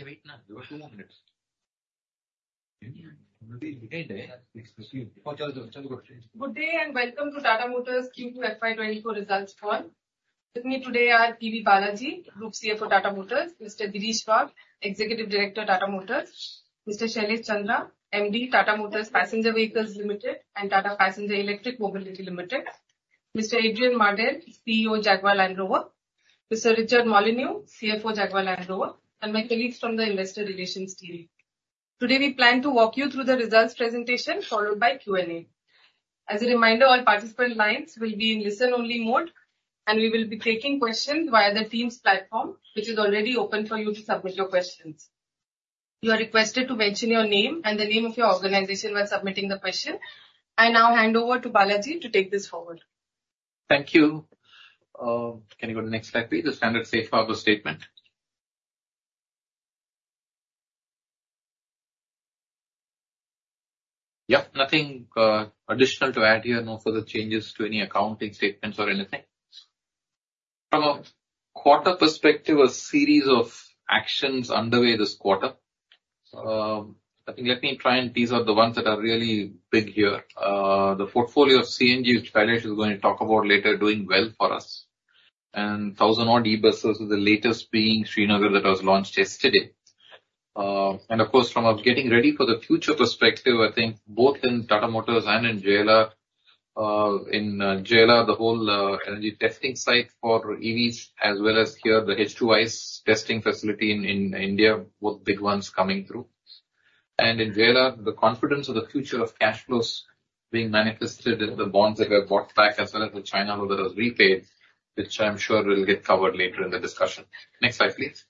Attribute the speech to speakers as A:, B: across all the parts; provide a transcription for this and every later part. A: Good day, and welcome to Tata Motors Q2 FY 2024 Results Call. With me today are PB Balaji, Group CFO, Tata Motors; Mr. Girish Wagh, Executive Director, Tata Motors; Mr. Shailesh Chandra, MD, Tata Motors Passenger Vehicles Limited and Tata Passenger Electric Mobility Limited; Mr. Adrian Mardell, CEO, Jaguar Land Rover; Mr. Richard Molyneux, CFO, Jaguar Land Rover, and my colleagues from the Investor Relations team. Today, we plan to walk you through the results presentation, followed by Q&A. As a reminder, all participant lines will be in listen-only mode, and we will be taking questions via the Teams platform, which is already open for you to submit your questions. You are requested to mention your name and the name of your organization when submitting the question. I now hand over to Balaji to take this forward.
B: Thank you. Can you go to the next slide, please? The standard safe harbor statement. Yeah, nothing additional to add here. No further changes to any accounting statements or anything. From a quarter perspective, a series of actions underway this quarter. I think let me try and tease out the ones that are really big here. The portfolio of CNG, which Shailesh is going to talk about later, doing well for us. And 1,000-odd e-buses, with the latest being Srinagar, that was launched yesterday. And of course, from a getting ready for the future perspective, I think both in Tata Motors and in JLR, in JLR, the whole energy testing site for EVs, as well as here, the H2ICE testing facility in India, both big ones coming through. And in JLR, the confidence of the future of cash flows being manifested in the bonds that were bought back, as well as the China loan that was repaid, which I'm sure will get covered later in the discussion. Next slide, please.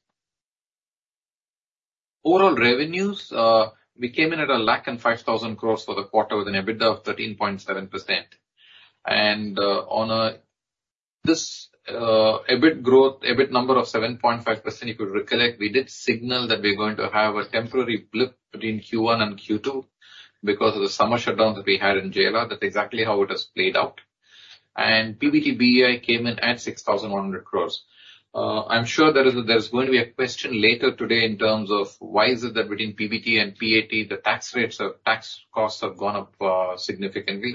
B: Overall revenues, we came in at 105,000 crore for the quarter, with an EBITDA of 13.7%. And, on, this, EBIT growth, EBIT number of 7.5%, you could recollect, we did signal that we're going to have a temporary blip between Q1 and Q2 because of the summer shutdown that we had in JLR. That's exactly how it has played out. And PBT (bei) came in at 6,100 crore. I'm sure there is, there's going to be a question later today in terms of why is it that between PBT and PAT, the tax rates or tax costs have gone up significantly?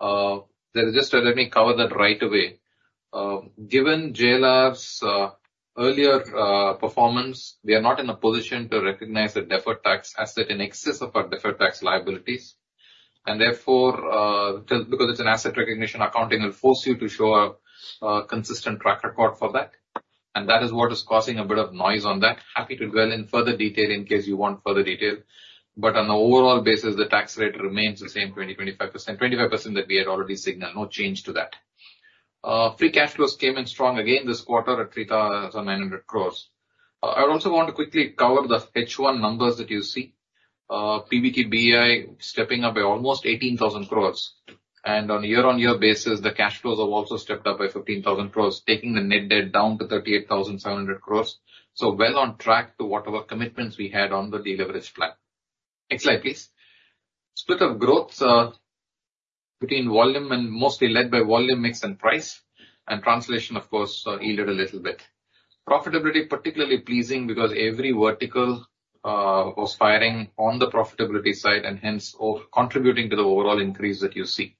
B: There is just... Let me cover that right away. Given JLR's earlier performance, we are not in a position to recognize the deferred tax asset in excess of our deferred tax liabilities. And therefore, because it's an asset recognition, accounting will force you to show a consistent track record for that, and that is what is causing a bit of noise on that. Happy to dwell in further detail in case you want further detail, but on an overall basis, the tax rate remains the same, 25%. 25% that we had already signaled, no change to that. Free Cash Flows came in strong again this quarter at 3,900 crore. I also want to quickly cover the H1 numbers that you see. PBT (BEI) stepping up by almost 18,000 crore, and on a year-on-year basis, the cash flows have also stepped up by 15,000 crore, taking the net debt down to 38,700 crore. So well on track to whatever commitments we had on the deleveraged plan. Next slide, please. Split of growth between volume and mostly led by volume, mix, and price, and translation, of course, yielded a little bit. Profitability, particularly pleasing, because every vertical was firing on the profitability side and hence, over-contributing to the overall increase that you see.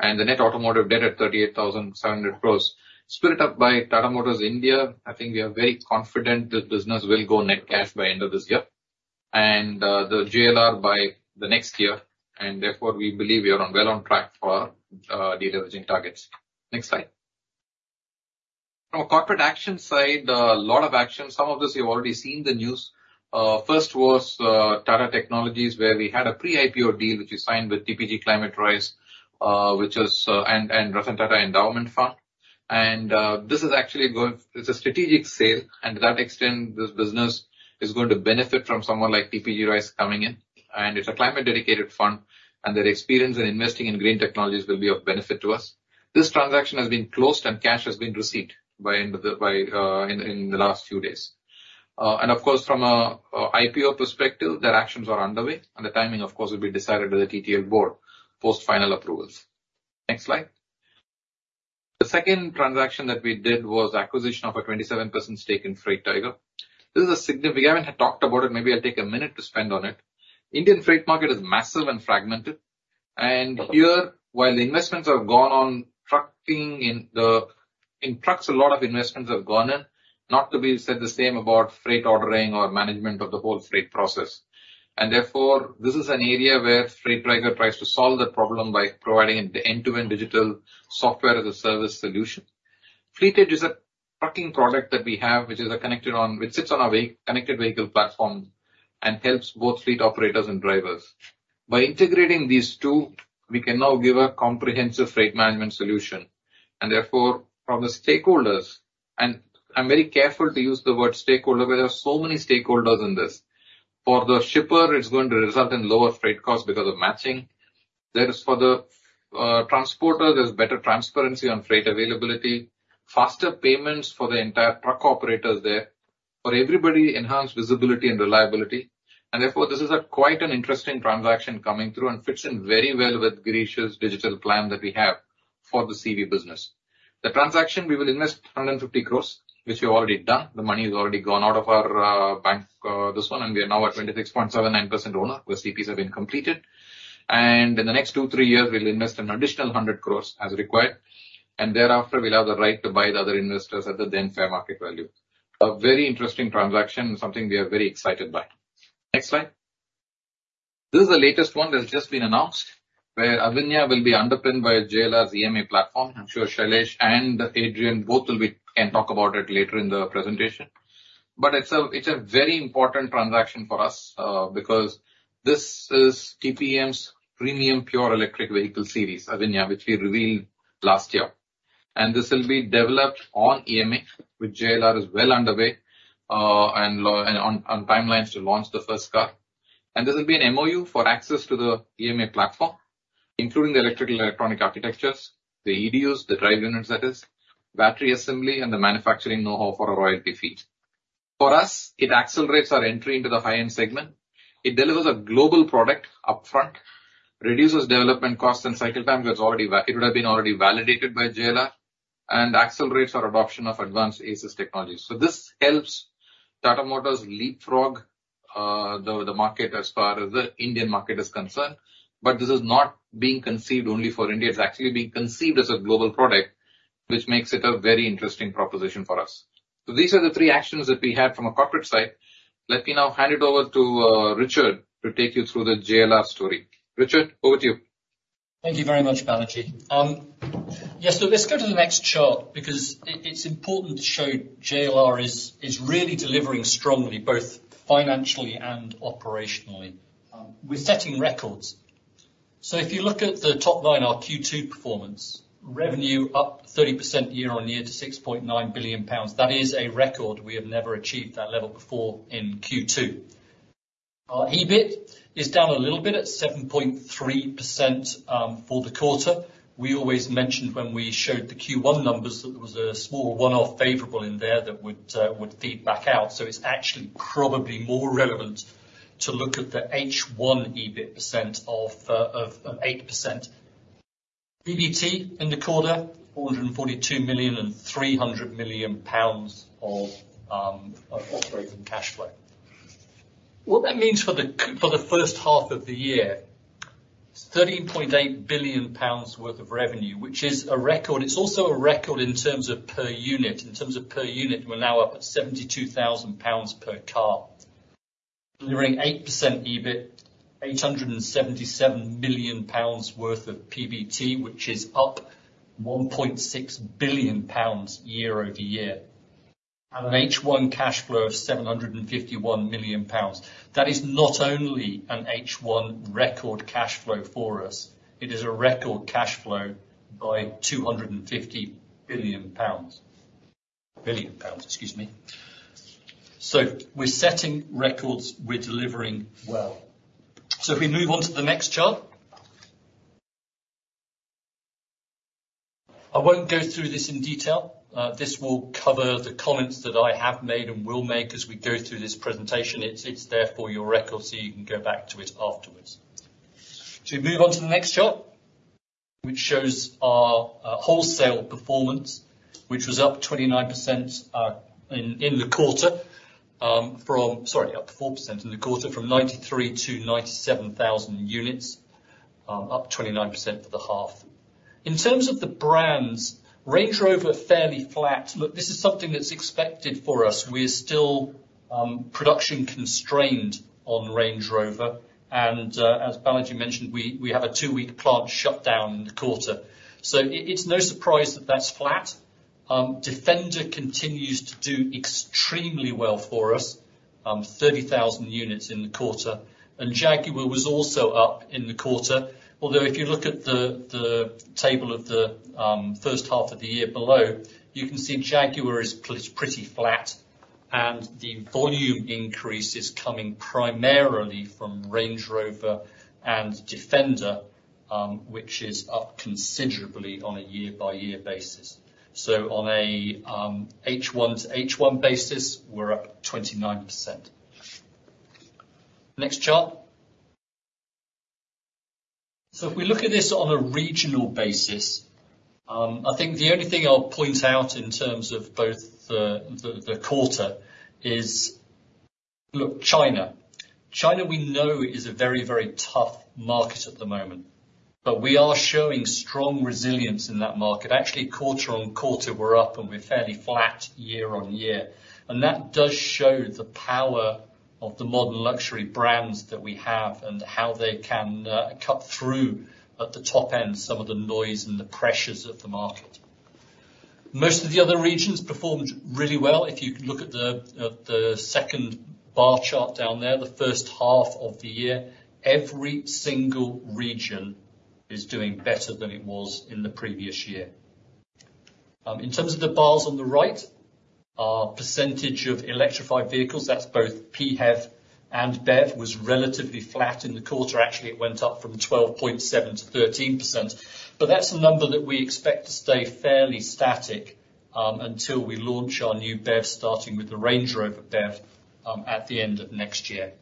B: The net automotive debt at 38,700 crore, split up by Tata Motors India, I think we are very confident that business will go net cash by end of this year, and the JLR by the next year, and therefore, we believe we are on—well on track for deleveraging targets. Next slide. On corporate action side, a lot of action, some of this you've already seen the news. First was Tata Technologies, where we had a pre-IPO deal, which we signed with TPG Rise Climate, which is... and Ratan Tata Endowment Foundation. And this is actually going—it's a strategic sale, and to that extent, this business is going to benefit from someone like TPG Rise coming in, and it's a climate-dedicated fund, and their experience in investing in green technologies will be of benefit to us. This transaction has been closed, and cash has been received by end of the last few days. And of course, from a IPO perspective, their actions are underway, and the timing, of course, will be decided by the TTL board post-final approvals. Next slide. The second transaction that we did was the acquisition of a 27% stake in Freight Tiger. This is a significant... I haven't had talked about it, maybe I'll take a minute to spend on it. Indian freight market is massive and fragmented, and here, while the investments have gone on, trucking in trucks, a lot of investments have gone in, not to be said the same about freight ordering or management of the whole freight process. Therefore, this is an area where Freight Tiger tries to solve the problem by providing the end-to-end digital software as a service solution. Fleet Edge is a trucking product that we have, which sits on our connected vehicle platform and helps both fleet operators and drivers. By integrating these two, we can now give a comprehensive freight management solution. Therefore, from the stakeholders, and I'm very careful to use the word stakeholder, where there are so many stakeholders in this. For the shipper, it's going to result in lower freight costs because of matching. There is for the transporter, there's better transparency on freight availability, faster payments for the entire truck operators there. For everybody, enhanced visibility and reliability, and therefore, this is quite an interesting transaction coming through and fits in very well with Girish's digital plan that we have. for the CV business. The transaction, we will invest 150 crore, which we've already done. The money has already gone out of our bank this one, and we are now at 26.79% owner, where CPs have been completed. In the next 2-3 years, we'll invest an additional 100 crore as required, and thereafter, we'll have the right to buy the other investors at the then fair market value. A very interesting transaction, and something we are very excited by. Next slide. This is the latest one that's just been announced, where Avinya will be underpinned by JLR's EMA platform. I'm sure Shailesh and Adrian both can talk about it later in the presentation. But it's a, it's a very important transaction for us, because this is TPEM's premium pure electric vehicle series, Avinya, which we revealed last year. And this will be developed on EMA, with JLR is well underway, and on, on timelines to launch the first car. And this will be an MOU for access to the EMA platform, including the electrical and electronic architectures, the EDUs, the drive units, that is, battery assembly, and the manufacturing know-how for a royalty fee. For us, it accelerates our entry into the high-end segment. It delivers a global product upfront, reduces development costs and cycle time, that's already it would have been already validated by JLR, and accelerates our adoption of advanced ADAS technologies. So this helps Tata Motors leapfrog, the, the market as far as the Indian market is concerned. But this is not being conceived only for India. It's actually being conceived as a global product, which makes it a very interesting proposition for us. So these are the three actions that we have from a corporate side. Let me now hand it over to, Richard, to take you through the JLR story. Richard, over to you.
C: Thank you very much, Balaji. Yes, so let's go to the next chart, because it's important to show JLR is really delivering strongly, both financially and operationally. We're setting records. So if you look at the top line, our Q2 performance, revenue up 30% year-on-year to 6.9 billion pounds. That is a record. We have never achieved that level before in Q2. Our EBIT is down a little bit, at 7.3%, for the quarter. We always mentioned when we showed the Q1 numbers, that there was a small one-off favorable in there that would feed back out. So it's actually probably more relevant to look at the H1 EBIT percent of 8%. PBT in the quarter, 442 million and 300 million pounds of operating cashflow. What that means for the first half of the year is 13.8 billion pounds worth of revenue, which is a record. It's also a record in terms of per unit. In terms of per unit, we're now up at 72,000 pounds per car. Delivering 8% EBIT, 877 million pounds worth of PBT, which is up 1.6 billion pounds year-over-year, and an H1 cash flow of 751 million pounds. That is not only an H1 record cash flow for us, it is a record cash flow by 250 billion pounds. Billion pounds, excuse me. So we're setting records, we're delivering well. So if we move on to the next chart. I won't go through this in detail. This will cover the comments that I have made and will make as we go through this presentation. It's there for your record, so you can go back to it afterwards. So we move on to the next chart, which shows our wholesale performance, which was up 29% in the quarter from... Sorry, up 4% in the quarter, from 93,000 to 97,000 units, up 29% for the half. In terms of the brands, Range Rover, fairly flat. Look, this is something that's expected for us. We're still production constrained on Range Rover, and as Balaji mentioned, we have a 2-week plant shutdown in the quarter. So it's no surprise that that's flat. Defender continues to do extremely well for us, 30,000 units in the quarter, and Jaguar was also up in the quarter, although if you look at the table of the first half of the year below, you can see Jaguar is pretty flat, and the volume increase is coming primarily from Range Rover and Defender, which is up considerably on a year-by-year basis. So on a H1 to H1 basis, we're up 29%. Next chart. So if we look at this on a regional basis, I think the only thing I'll point out in terms of both the quarter is, look, China. China, we know, is a very, very tough market at the moment, but we are showing strong resilience in that market. Actually, quarter-on-quarter, we're up, and we're fairly flat year-on-year. That does show the power of the modern luxury brands that we have, and how they can cut through, at the top end, some of the noise and the pressures of the market. Most of the other regions performed really well. If you look at the second bar chart down there, the first half of the year, every single region is doing better than it was in the previous year. In terms of the bars on the right, our percentage of electrified vehicles, that's both PHEV and BEV, was relatively flat in the quarter. Actually, it went up from 12.7 to 13%, but that's a number that we expect to stay fairly static, until we launch our new BEV, starting with the Range Rover BEV, at the end of next year.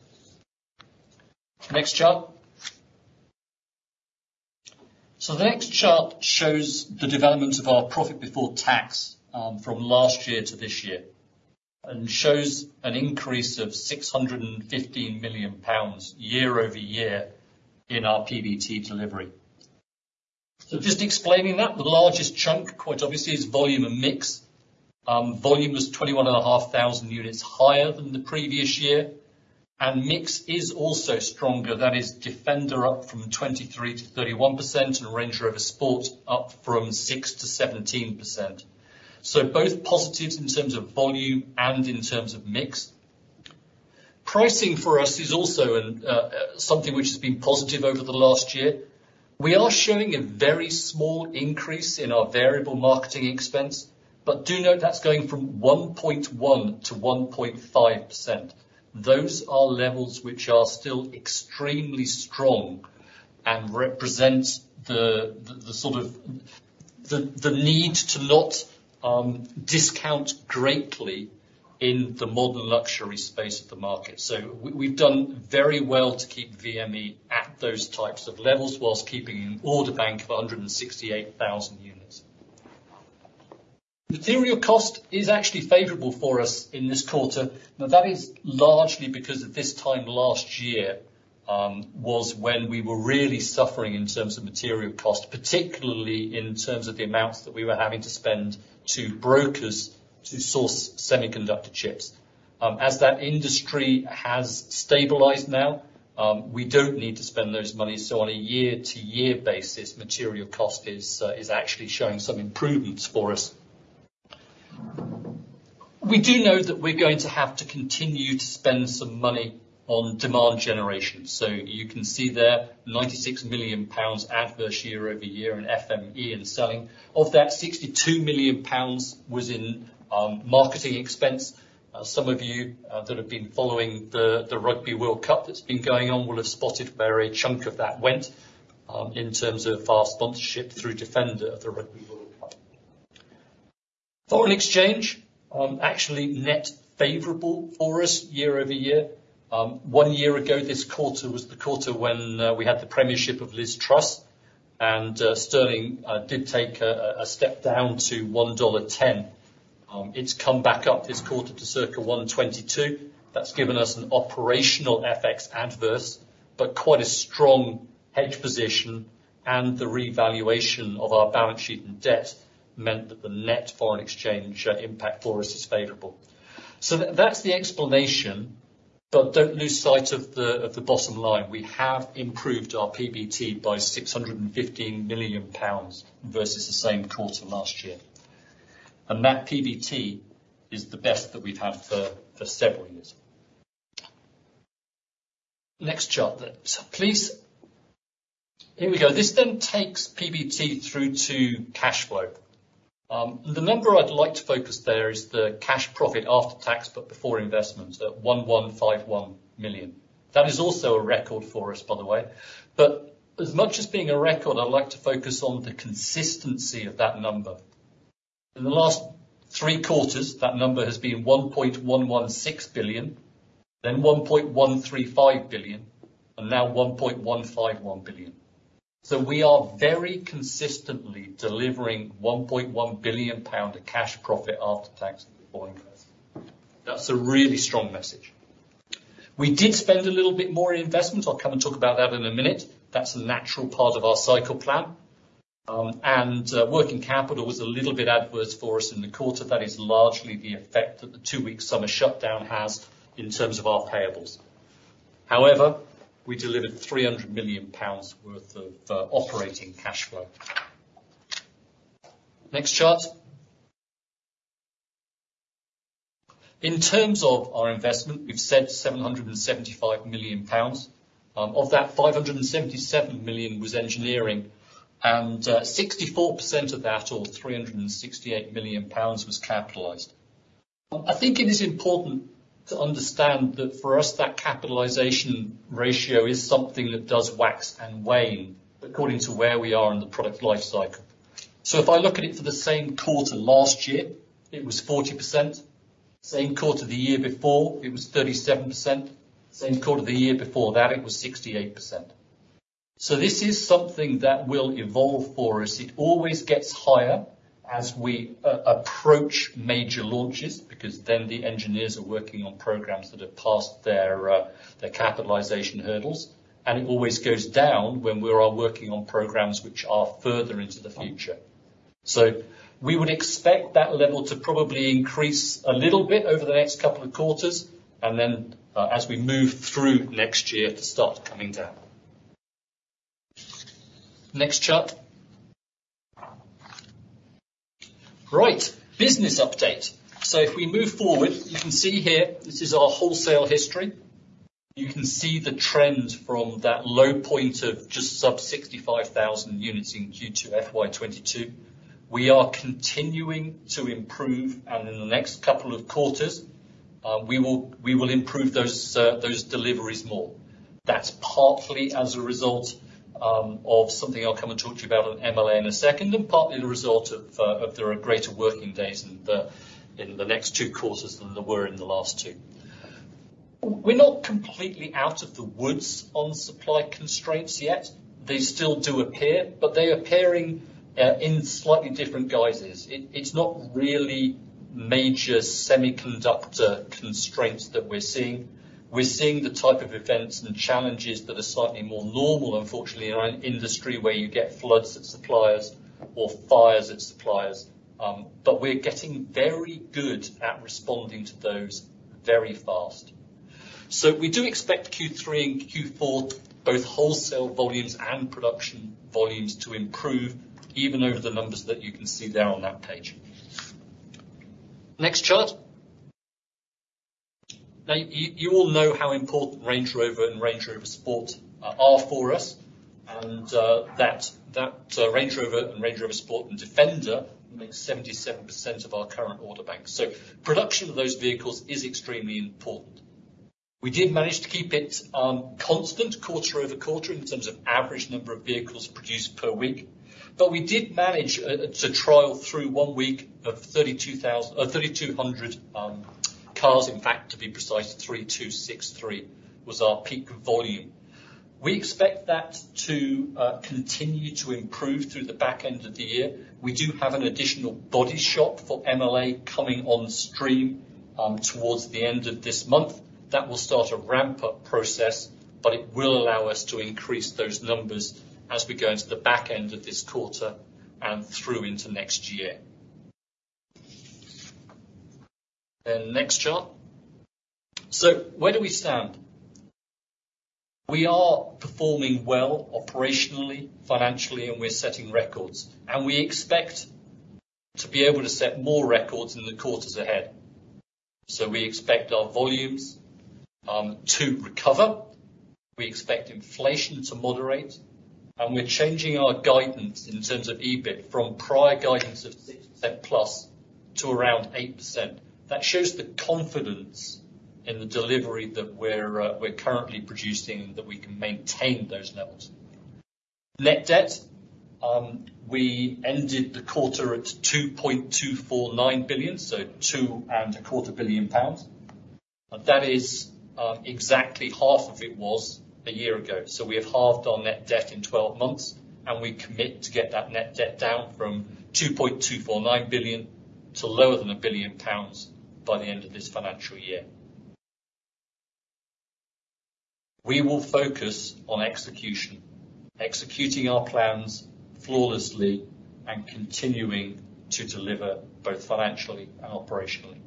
C: Next chart. So the next chart shows the development of our profit before tax from last year to this year, and shows an increase of 615 million pounds year-over-year in our PBT delivery. So just explaining that, the largest chunk, quite obviously, is volume and mix. Volume was 21,500 units higher than the previous year, and mix is also stronger. That is Defender up from 23%-31%, and Range Rover Sport up from 6%-17%. So both positives in terms of volume and in terms of mix. Pricing for us is also an something which has been positive over the last year. We are showing a very small increase in our variable marketing expense, but do note that's going from 1.1%-1.5%. Those are levels which are still extremely strong and represent the sort of need to not discount greatly in the modern luxury space of the market. So we've done very well to keep VME at those types of levels, while keeping an order bank of 168,000 units. Material cost is actually favorable for us in this quarter. Now, that is largely because at this time last year was when we were really suffering in terms of material cost, particularly in terms of the amounts that we were having to spend to brokers to source semiconductor chips. As that industry has stabilized now, we don't need to spend those monies. So on a year-to-year basis, material cost is actually showing some improvements for us. We do know that we're going to have to continue to spend some money on demand generation. So you can see there, 96 million pounds adverse year-over-year in FME and selling. Of that, 62 million pounds was in marketing expense. Some of you that have been following the Rugby World Cup that's been going on will have spotted where a chunk of that went in terms of our sponsorship through Defender at the Rugby World Cup. Foreign exchange actually net favorable for us year-over-year. One year ago, this quarter was the quarter when we had the premiership of Liz Truss, and Sterling did take a step down to $1.10. It's come back up this quarter to circa $1.22. That's given us an operational FX adverse, but quite a strong hedge position, and the revaluation of our balance sheet and debt meant that the net foreign exchange impact for us is favorable. That's the explanation, but don't lose sight of the bottom line. We have improved our PBT by 615 million pounds versus the same quarter last year, and that PBT is the best that we've had for several years. Next chart then, please. Here we go. This then takes PBT through to cash flow. The number I'd like to focus there is the cash profit after tax, but before investment, at 151 billion. That is also a record for us, by the way, but as much as being a record, I'd like to focus on the consistency of that number. In the last three quarters, that number has been 1.116 billion, then 1.135 billion, and now 1.151 billion. So we are very consistently delivering 1.1 billion pound of cash profit after tax before investment. That's a really strong message. We did spend a little bit more in investment. I'll come and talk about that in a minute. That's a natural part of our cycle plan. Working capital was a little bit adverse for us in the quarter. That is largely the effect that the two-week summer shutdown has in terms of our payables. However, we delivered 300 million pounds worth of operating cash flow. Next chart. In terms of our investment, we've said 775 million pounds. Of that, 577 million was engineering, and 64% of that, or 368 million pounds, was capitalized. I think it is important to understand that for us, that capitalization ratio is something that does wax and wane according to where we are in the product life cycle. So if I look at it for the same quarter last year, it was 40%. Same quarter the year before, it was 37%. Same quarter the year before that, it was 68%. So this is something that will evolve for us. It always gets higher as we approach major launches, because then the engineers are working on programs that have passed their capitalization hurdles, and it always goes down when we are working on programs which are further into the future. So we would expect that level to probably increase a little bit over the next couple of quarters, and then, as we move through next year, to start coming down. Next chart. Right, business update. So if we move forward, you can see here, this is our wholesale history. You can see the trend from that low point of just sub 65,000 units in Q2 FY 2022. We are continuing to improve, and in the next couple of quarters, we will improve those deliveries more. That's partly as a result of something I'll come and talk to you about on MLA in a second, and partly the result of there are greater working days in the next two quarters than there were in the last two. We're not completely out of the woods on supply constraints yet. They still do appear, but they are appearing in slightly different guises. It, it's not really major semiconductor constraints that we're seeing. We're seeing the type of events and challenges that are slightly more normal, unfortunately, in an industry where you get floods at suppliers or fires at suppliers. But we're getting very good at responding to those very fast. So we do expect Q3 and Q4, both wholesale volumes and production volumes, to improve even over the numbers that you can see there on that page. Next chart. Now, you all know how important Range Rover and Range Rover Sport are for us, and that Range Rover and Range Rover Sport and Defender make 77% of our current order bank. So production of those vehicles is extremely important. We did manage to keep it constant quarter-over-quarter in terms of average number of vehicles produced per week. But we did manage to trial through one week of 3,263 cars, in fact, to be precise, 3,263 was our peak volume. We expect that to continue to improve through the back end of the year. We do have an additional body shop for MLA coming on stream towards the end of this month. That will start a ramp-up process, but it will allow us to increase those numbers as we go into the back end of this quarter and through into next year. Next chart. So where do we stand? We are performing well operationally, financially, and we're setting records, and we expect to be able to set more records in the quarters ahead. So we expect our volumes to recover. We expect inflation to moderate, and we're changing our guidance in terms of EBIT from prior guidance of 6%+ to around 8%. That shows the confidence in the delivery that we're, we're currently producing, that we can maintain those levels. Net debt, we ended the quarter at 2.249 billion, so 2.25 billion pounds. That is, exactly half of it was a year ago. So we have halved our net debt in 12 months, and we commit to get that net debt down from 2.249 billion to lower than 1 billion pounds by the end of this financial year. We will focus on execution, executing our plans flawlessly and continuing to deliver both financially and operationally.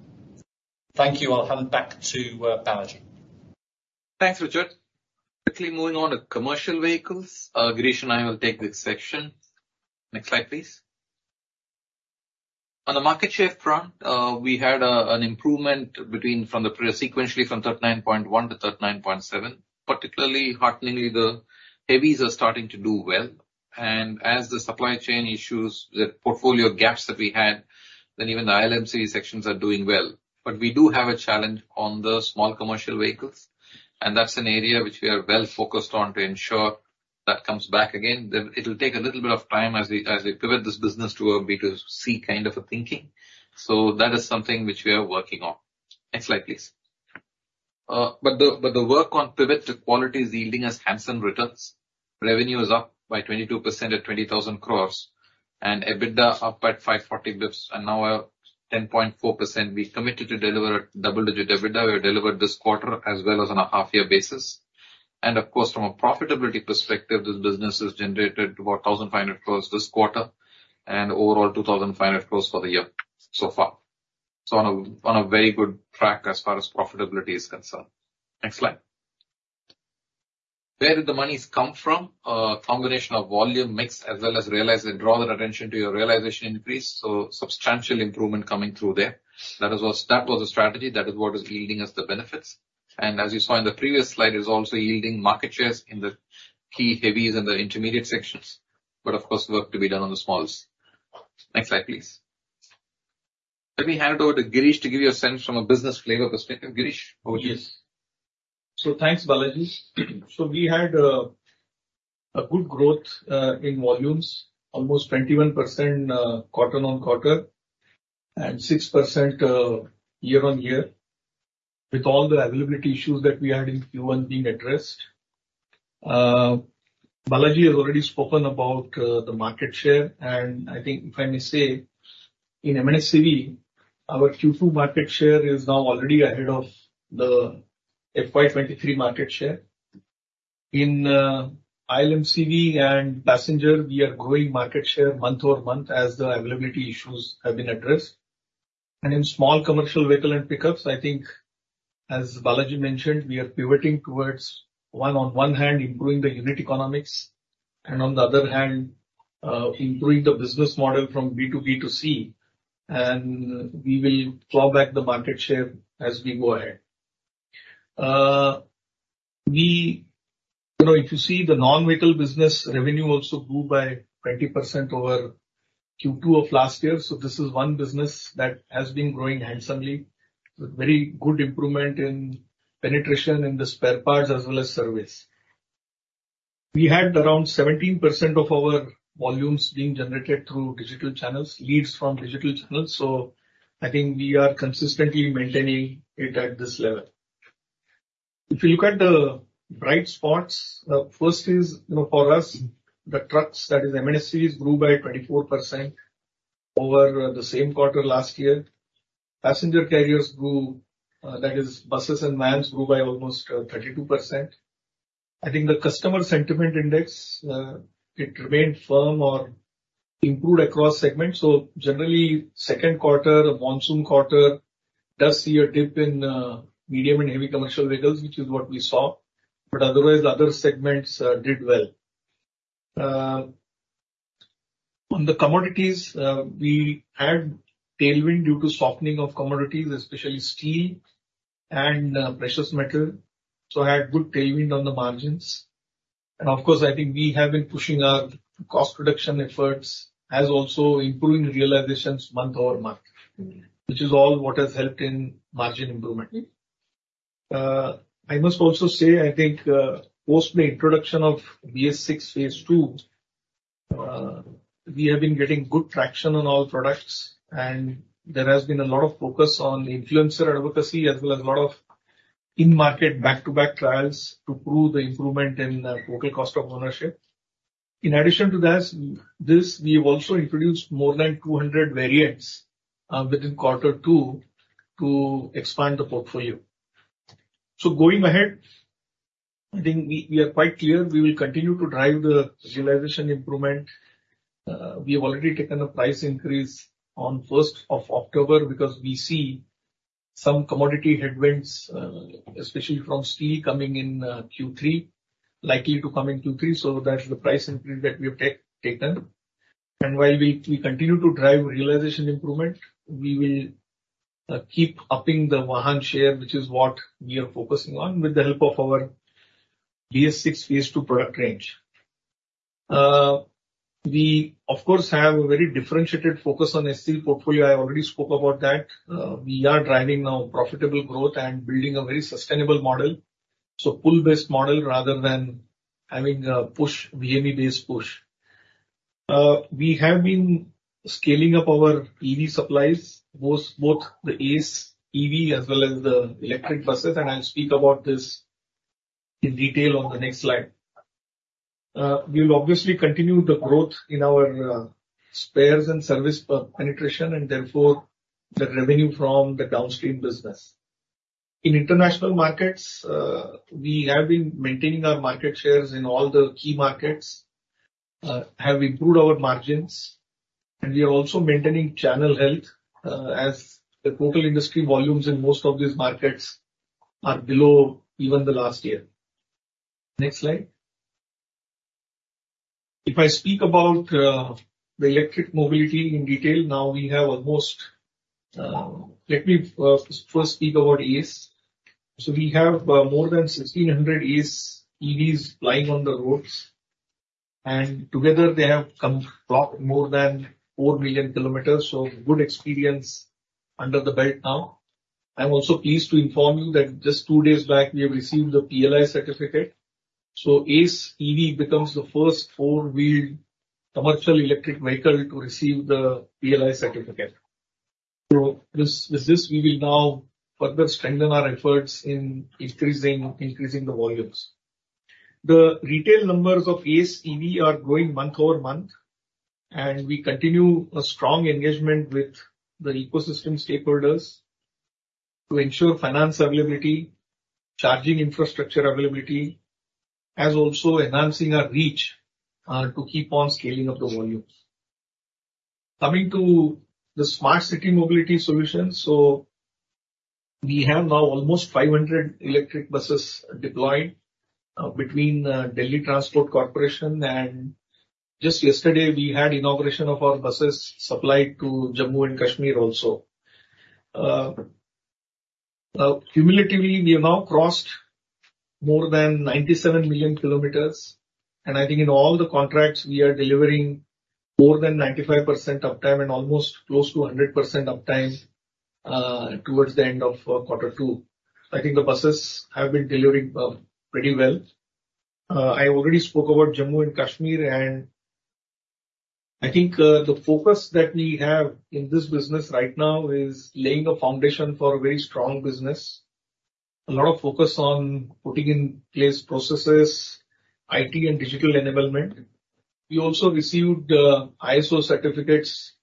C: Thank you. I'll hand it back to, Balaji.
B: Thanks, Richard. Quickly moving on to commercial vehicles. Girish and I will take this section. Next slide, please. On the market share front, we had an improvement sequentially from 39.1% to 39.7%, particularly hearteningly, the heavies are starting to do well. And as the supply chain issues, the portfolio gaps that we had, then even the I&LCV sections are doing well. But we do have a challenge on the small commercial vehicles, and that's an area which we are well focused on to ensure that comes back again. Then it'll take a little bit of time as we, as we pivot this business to a B to C kind of a thinking. So that is something which we are working on. Next slide, please. But the work on pivot to quality is yielding us handsome returns. Revenue is up by 22% at 20,000 crore and EBITDA up by 540 basis points and now at 10.4%. We committed to deliver a double-digit EBITDA. We delivered this quarter as well as on a half year basis. And of course, from a profitability perspective, this business has generated about 1,500 crore this quarter and overall 2,500 crore for the year so far. So on a, on a very good track as far as profitability is concerned. Next slide. Where did the monies come from? Combination of volume mix, as well as realization, I draw your attention to the realization increase, so substantial improvement coming through there. That is was, that was the strategy, that is what is yielding us the benefits. As you saw in the previous slide, it's also yielding market shares in the key heavies and the intermediate sections. Of course, work to be done on the smalls. Next slide, please. Let me hand over to Girish to give you a sense from a business flavor perspective. Girish, over to you.
D: Yes. So thanks, Balaji. So we had a good growth in volumes, almost 21%, quarter-on-quarter, and 6%, year-on-year, with all the availability issues that we had in Q1 being addressed. Balaji has already spoken about the market share, and I think, if I may say, in M&HCV, our Q2 market share is now already ahead of the FY 2023 market share. In I&LCV and passenger, we are growing market share month-over-month as the availability issues have been addressed. And in small commercial vehicle and pickups, I think, as Balaji mentioned, we are pivoting towards, on one hand, improving the unit economics, and on the other hand, improving the business model from B2B2C, and we will claw back the market share as we go ahead. We...
C: You know, if you see the non-vehicle business, revenue also grew by 20% over Q2 of last year. This is one business that has been growing handsomely, with very good improvement in penetration in the spare parts as well as service.
D: We had around 17% of our volumes being generated through digital channels, leads from digital channels, so I think we are consistently maintaining it at this level. If you look at the bright spots, first is, you know, for us, the trucks, that is M&HCVs, grew by 24% over the same quarter last year. Passenger carriers grew, that is, buses and vans, grew by almost 32%. I think the customer sentiment index, it remained firm or improved across segments. So generally, second quarter, monsoon quarter, does see a dip in medium and heavy commercial vehicles, which is what we saw, but otherwise, other segments did well. On the commodities, we had tailwind due to softening of commodities, especially steel and precious metal, so had good tailwind on the margins. Of course, I think we have been pushing our cost reduction efforts as also improving realizations month-over-month, which is all what has helped in margin improvement. I must also say, I think, post the introduction of BS6 Phase II, we have been getting good traction on all products, and there has been a lot of focus on influencer advocacy as well as a lot of in-market back-to-back trials to prove the improvement in total cost of ownership. In addition to this, we have also introduced more than 200 variants within Quarter Two to expand the portfolio. So going ahead, I think we are quite clear, we will continue to drive the realization improvement. We have already taken a price increase on first of October because we see some commodity headwinds, especially from steel, coming in Q3, likely to come in Q3, so that's the price increase that we have taken. While we continue to drive realization improvement, we will keep upping the Vahan share, which is what we are focusing on with the help of our BS6 Phase II product range. We, of course, have a very differentiated focus on HV portfolio. I already spoke about that. We are driving now profitable growth and building a very sustainable model, so pull-based model rather than having a push, VME-based push. We have been scaling up our EV supplies, both the Ace EV as well as the electric buses, and I'll speak about this in detail on the next slide. We will obviously continue the growth in our spares and service per penetration, and therefore, the revenue from the downstream business. In international markets, we have been maintaining our market shares in all the key markets, have improved our margins, and we are also maintaining channel health, as the total industry volumes in most of these markets are below even the last year. Next slide. If I speak about the electric mobility in detail, now, we have almost... Let me first speak about ACE. So we have more than 1,600 Ace EVs plying on the roads, and together, they have clocked more than 4 million kilometers, so good experience under the belt now. I'm also pleased to inform you that just two days back, we have received the PLI certificate, so Ace EV becomes the first four-wheeled commercial electric vehicle to receive the PLI certificate. So with this, we will now further strengthen our efforts in increasing the volumes. The retail numbers of Ace EV are growing month-over-month, and we continue a strong engagement with the ecosystem stakeholders to ensure finance availability, charging infrastructure availability, as also enhancing our reach to keep on scaling up the volumes. Coming to the smart city mobility solution, so we have now almost 500 electric buses deployed between Delhi Transport Corporation, and just yesterday, we had inauguration of our buses supplied to Jammu and Kashmir also. Cumulatively, we have now crossed more than 97 million kilometers, and I think in all the contracts, we are delivering more than 95% uptime and almost close to 100% uptime, towards the end of Quarter Two. I think the buses have been delivering pretty well. I already spoke about Jammu and Kashmir, and I think the focus that we have in this business right now is laying a foundation for a very strong business. A lot of focus on putting in place processes, IT and digital enablement. We also received ISO certificates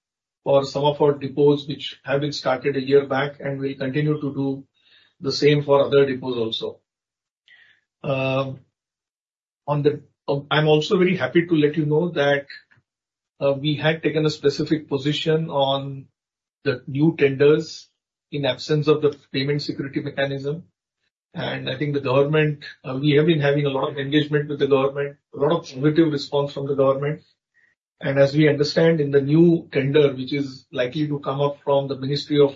D: for some of our depots, which have been started a year back, and we'll continue to do the same for other depots also. On the... I'm also very happy to let you know that, we had taken a specific position on the new tenders in absence of the payment security mechanism, and I think the government, we have been having a lot of engagement with the government, a lot of positive response from the government. And as we understand in the new tender, which is likely to come up from the Ministry of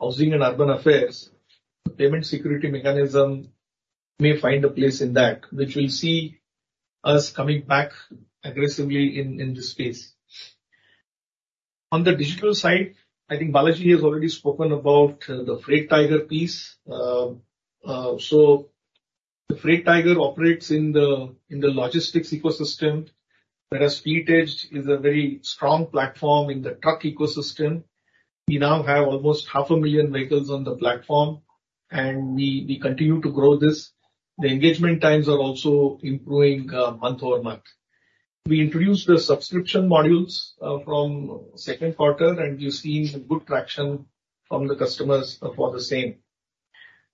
D: Housing and Urban Affairs, the payment security mechanism may find a place in that, which will see us coming back aggressively in this space. On the digital side, I think Balaji has already spoken about, the Freight Tiger piece. So the Freight Tiger operates in the logistics ecosystem, whereas Fleet Edge is a very strong platform in the truck ecosystem. We now have almost 500,000 vehicles on the platform, and we, we continue to grow this. The engagement times are also improving month-over-month. We introduced the subscription modules from second quarter, and we've seen good traction from the customers for the same.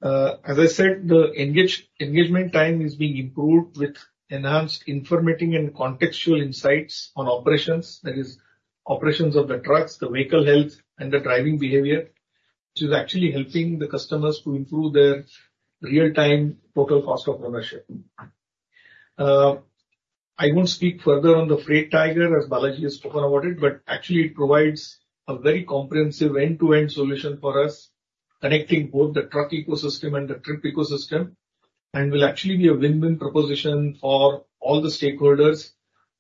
D: As I said, the engagement time is being improved with enhanced informative and contextual insights on operations, that is, operations of the trucks, the vehicle health and the driving behavior, which is actually helping the customers to improve their real-time total cost of ownership. I won't speak further on the Freight Tiger, as Balaji has spoken about it, but actually it provides a very comprehensive end-to-end solution for us, connecting both the truck ecosystem and the trip ecosystem, and will actually be a win-win proposition for all the stakeholders,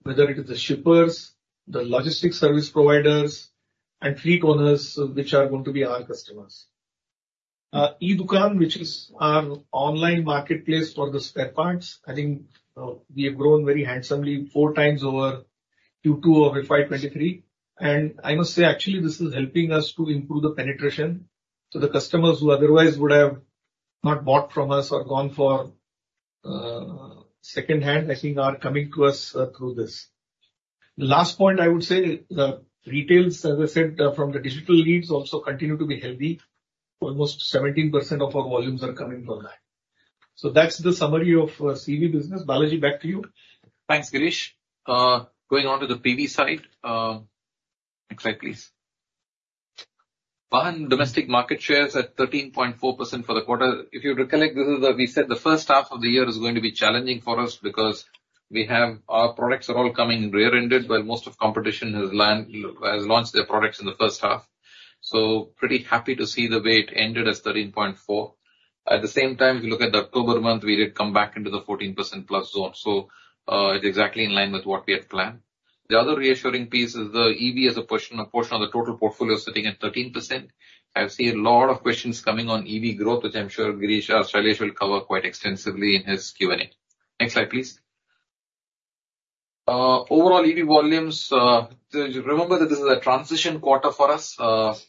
D: whether it is the shippers, the logistics service providers, and fleet owners, which are going to be our customers. e-Dukaan, which is our online marketplace for the spare parts, I think, we have grown very handsomely, four times over Q2 over FY 2023. And I must say, actually, this is helping us to improve the penetration, so the customers who otherwise would have not bought from us or gone for, second-hand, I think, are coming to us, through this. Last point, I would say, the retails, as I said, from the digital leads, also continue to be healthy. Almost 17% of our volumes are coming from that. That's the summary of CV business. Balaji, back to you.
B: Thanks, Girish. Going on to the PV side. Next slide, please. Our domestic market share is at 13.4% for the quarter. If you recollect, this is where we said the first half of the year is going to be challenging for us because we have our products are all coming rear-ended, while most of competition has launched their products in the first half. So pretty happy to see the way it ended as 13.4%. At the same time, if you look at the October month, we did come back into the 14% plus zone, so it's exactly in line with what we had planned. The other reassuring piece is the EV as a portion of the total portfolio sitting at 13%. I've seen a lot of questions coming on EV growth, which I'm sure Girish, Shailesh will cover quite extensively in his Q&A. Next slide, please. Overall EV volumes, so remember that this is a transition quarter for us,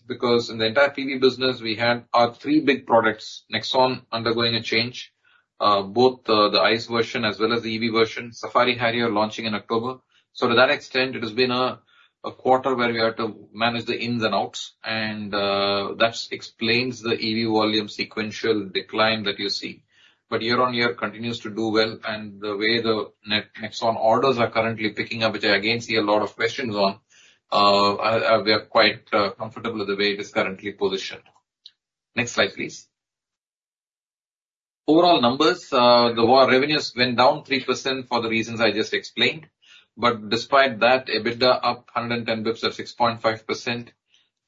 B: because in the entire PV business, we had our three big products, Nexon, undergoing a change, both the ICE version as well as the EV version. Safari, Harrier launching in October. So to that extent, it has been a quarter where we had to manage the ins and outs, and that explains the EV volume sequential decline that you see. But year-on-year continues to do well, and the way the Nexon orders are currently picking up, which I again see a lot of questions on, we are quite comfortable with the way it is currently positioned. Next slide, please. Overall numbers, the revenues went down 3% for the reasons I just explained, but despite that, EBITDA up 110 basis points at 6.5%,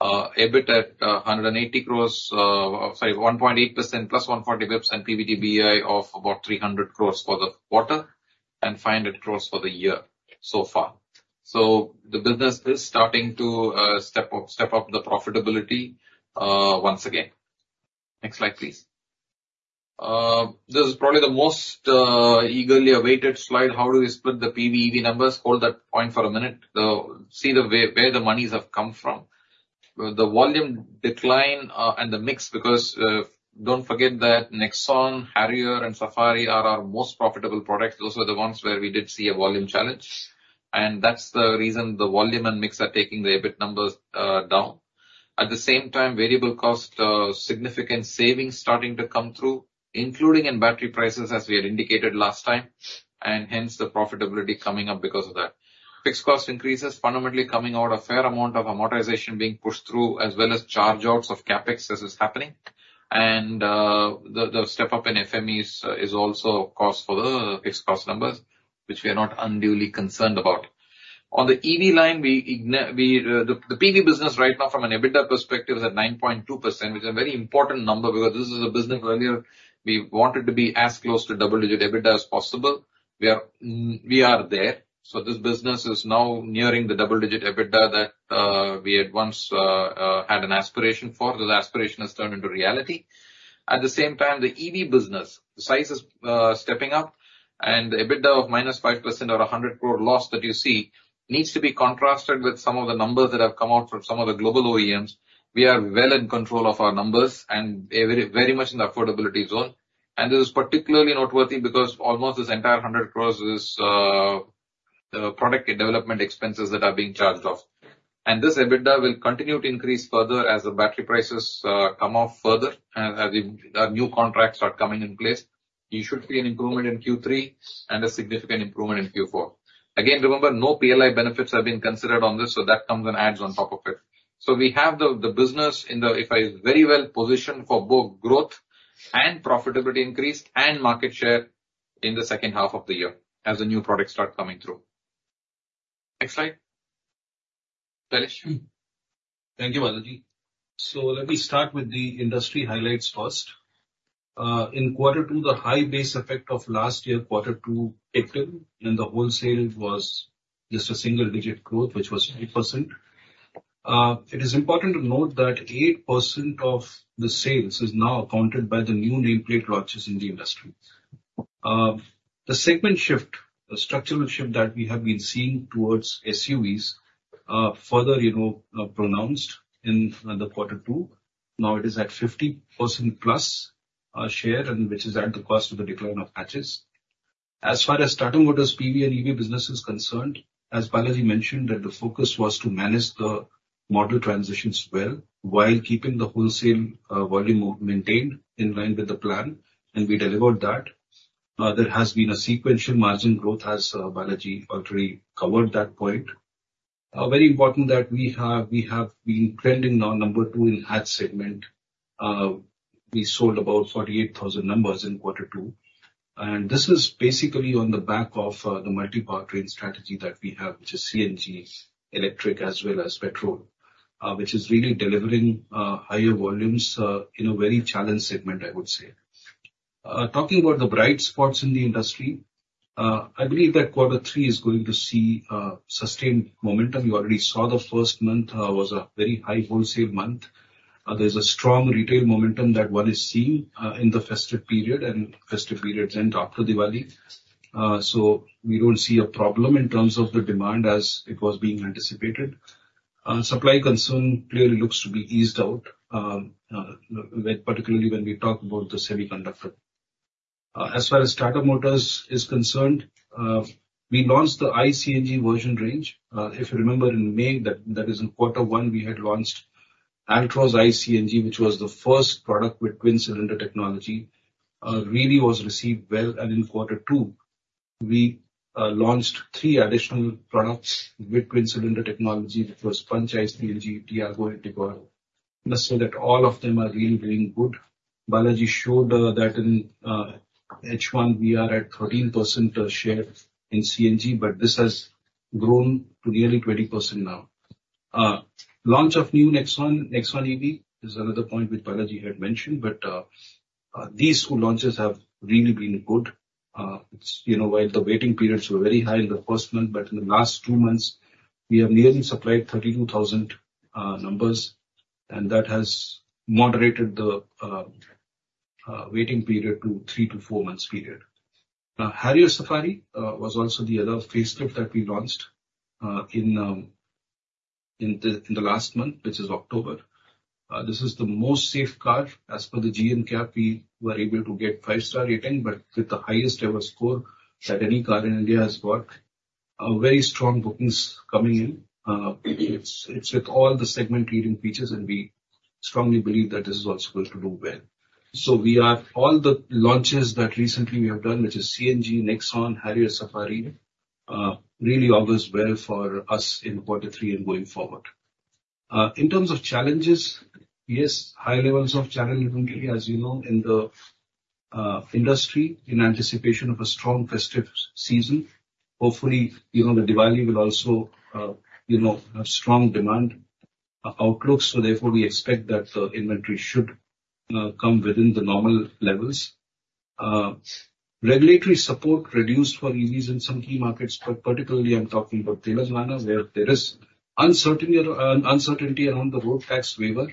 B: EBIT at 180 crores, sorry, 1.8%, +140 basis points, and PBT (bei) of about 300 crores for the quarter, and 500 crores for the year so far. So the business is starting to, step up, step up the profitability, once again. Next slide, please. This is probably the most, eagerly awaited slide. How do we split the PV, EV numbers? Hold that point for a minute. The... See the way, where the monies have come from. The volume decline, and the mix, because, don't forget that Nexon, Harrier, and Safari are our most profitable products. Those are the ones where we did see a volume challenge, and that's the reason the volume and mix are taking the EBIT numbers down. At the same time, variable cost significant savings starting to come through, including in battery prices, as we had indicated last time, and hence the profitability coming up because of that. Fixed cost increases, fundamentally coming out, a fair amount of amortization being pushed through, as well as charge outs of CapEx, as is happening. The step up in FMEs is also a cause for the fixed cost numbers, which we are not unduly concerned about. On the EV line, we, the PV business right now from an EBITDA perspective is at 9.2%, which is a very important number, because this is a business where we want it to be as close to double-digit EBITDA as possible. We are, we are there. So this business is now nearing the double-digit EBITDA that we had once had an aspiration for. This aspiration has turned into reality. At the same time, the EV business, the size is stepping up, and the EBITDA of -5% or 100 crore loss that you see, needs to be contrasted with some of the numbers that have come out from some of the global OEMs. We are well in control of our numbers and very, very much in the affordability zone. This is particularly noteworthy because almost this entire 100 crore is product and development expenses that are being charged off. This EBITDA will continue to increase further as the battery prices come off further and as the new contracts are coming in place. You should see an improvement in Q3 and a significant improvement in Q4. Again, remember, no PLI benefits have been considered on this, so that comes and adds on top of it. So we have the business very well positioned for both growth and profitability increase and market share in the second half of the year as the new products start coming through. Next slide. Shailesh?
E: Thank you, Balaji. Let me start with the industry highlights first. In quarter two, the high base effect of last year, quarter two, April, in the wholesale was just a single digit growth, which was 8%. It is important to note that 8% of the sales is now accounted by the new nameplate launches in the industry. The segment shift, the structural shift that we have been seeing towards SUVs, further, you know, pronounced in the quarter two. Now it is at 50% plus share, and which is at the cost of the decline of hatches. As far as Tata Motors' PV and EV business is concerned, as Balaji mentioned, that the focus was to manage the model transitions well, while keeping the wholesale volume maintained in line with the plan, and we delivered that. There has been a sequential margin growth, as Balaji already covered that point. Very important that we have, we have been trending now number 2 in hatch segment. We sold about 48,000 numbers in quarter two, and this is basically on the back of, the multi-powertrain strategy that we have, which is CNGs, electric, as well as petrol, which is really delivering, higher volumes, in a very challenged segment, I would say. Talking about the bright spots in the industry, I believe that quarter three is going to see, sustained momentum. You already saw the first month, was a very high wholesale month. There's a strong retail momentum that one is seeing, in the festive period, and festive periods end after Diwali. So we don't see a problem in terms of the demand as it was being anticipated. Supply concern clearly looks to be eased out, like, particularly when we talk about the semiconductor. As far as Tata Motors is concerned, we launched the iCNG version range. If you remember in May, that is in quarter one, we had launched Altroz iCNG, which was the first product with twin cylinder technology, really was received well. And in quarter two, we launched three additional products with twin cylinder technology. That was Punch iCNG, Tiago, and Tigor. Just so that all of them are really doing good. Balaji showed that in H1, we are at 13% share in CNG, but this has grown to nearly 20% now. Launch of new Nexon, Nexon EV is another point which Balaji had mentioned, but these two launches have really been good. It's, you know, while the waiting periods were very high in the first month, but in the last two months, we have nearly supplied 32,000 numbers, and that has moderated the waiting period to 3-4 months period. Now, Harrier Safari was also the other facelift that we launched in the last month, which is October. This is the most safe car. As per the GNCAP, we were able to get five-star rating, but with the highest ever score that any car in India has got. A very strong bookings coming in. It's with all the segment leading features, and we strongly believe that this is also going to do well. So we are... All the launches that recently we have done, which is CNG, Nexon, Harrier, Safari, really augurs well for us in quarter three and going forward. In terms of challenges, yes, high levels of challenge, particularly, as you know, in the industry, in anticipation of a strong festive season. Hopefully, you know, the Diwali will also, you know, have strong demand outlook, so therefore we expect that the inventory should come within the normal levels. Regulatory support reduced for EVs in some key markets, but particularly I'm talking about Telangana, where there is uncertainty, uncertainty around the road tax waiver.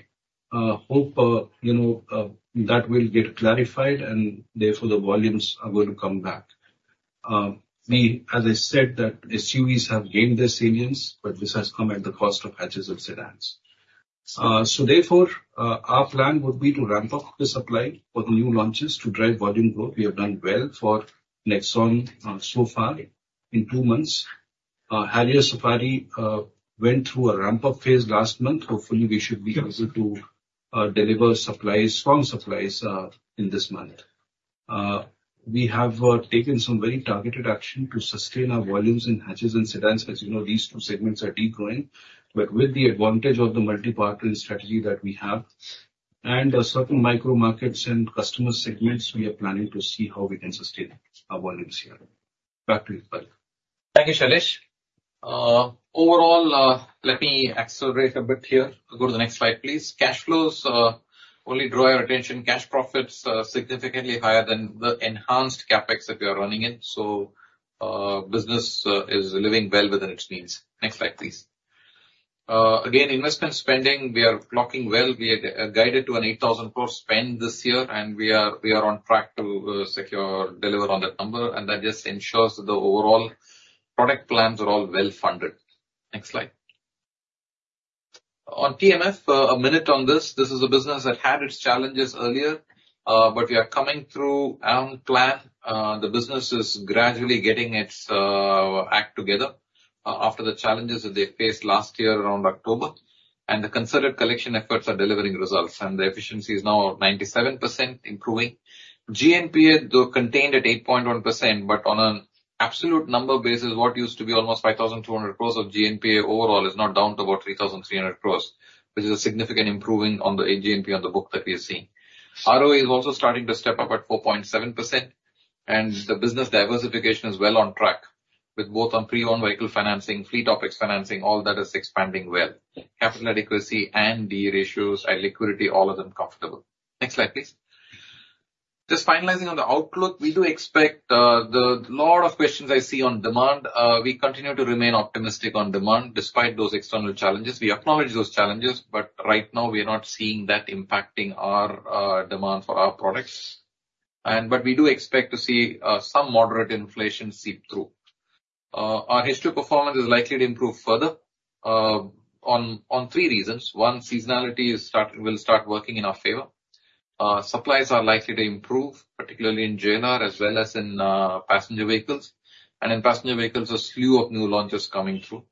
E: Hope, you know, that will get clarified, and therefore, the volumes are going to come back. As I said, that SUVs have gained their salience, but this has come at the cost of hatches and sedans. So therefore, our plan would be to ramp up the supply for the new launches to drive volume growth. We have done well for Nexon so far in two months. Harrier Safari went through a ramp-up phase last month. Hopefully, we should be able to deliver supplies, strong supplies, in this month. We have taken some very targeted action to sustain our volumes in hatches and sedans. As you know, these two segments are degrowing, but with the advantage of the multi-powertrain strategy that we have, and certain micro markets and customer segments, we are planning to see how we can sustain our volumes here. Back to you, Balaji.
B: Thank you, Shailesh. Overall, let me accelerate a bit here. Go to the next slide, please. Cash flows, only draw your attention, cash profits are significantly higher than the enhanced CapEx that we are running in, so, business is living well within its means. Next slide, please. Again, investment spending, we are blocking well. We are guided to an 8,000 crore spend this year, and we are, we are on track to, secure deliver on that number, and that just ensures that the overall product plans are all well funded. Next slide. On TMF, a minute on this. This is a business that had its challenges earlier, but we are coming through, and clear. The business is gradually getting its act together, after the challenges that they faced last year around October. The concerted collection efforts are delivering results, and the efficiency is now 97% improving. GNPA, though, contained at 8.1%, but on an absolute number basis, what used to be almost 5,200 crore of GNPA overall, is now down to about 3,300 crore, which is a significant improving on the GNPA on the book that we are seeing. ROE is also starting to step up at 4.7%.... and the business diversification is well on track, with both on pre-owned vehicle financing, fleet operators financing, all that is expanding well. Capital adequacy and D/E ratios and liquidity, all of them comfortable. Next slide, please. Just finalizing on the outlook, we do expect, the lot of questions I see on demand, we continue to remain optimistic on demand despite those external challenges. We acknowledge those challenges, but right now we are not seeing that impacting our demand for our products. And but we do expect to see some moderate inflation seep through. Our historical performance is likely to improve further on three reasons. One, seasonality will start working in our favor. Supplies are likely to improve, particularly in JLR, as well as in passenger vehicles. And in passenger vehicles, a slew of new launches coming through,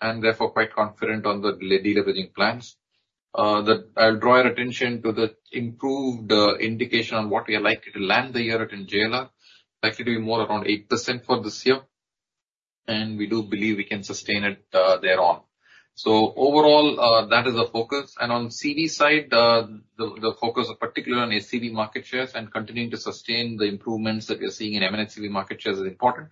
B: and therefore quite confident on the de-deleveraging plans. I'll draw your attention to the improved indication on what we are likely to land the year at in JLR, likely to be more around 8% for this year, and we do believe we can sustain it there on. So overall, that is a focus. On CV side, the focus is particularly on M&HCV market shares and continuing to sustain the improvements that we are seeing in M&HCV market shares is important.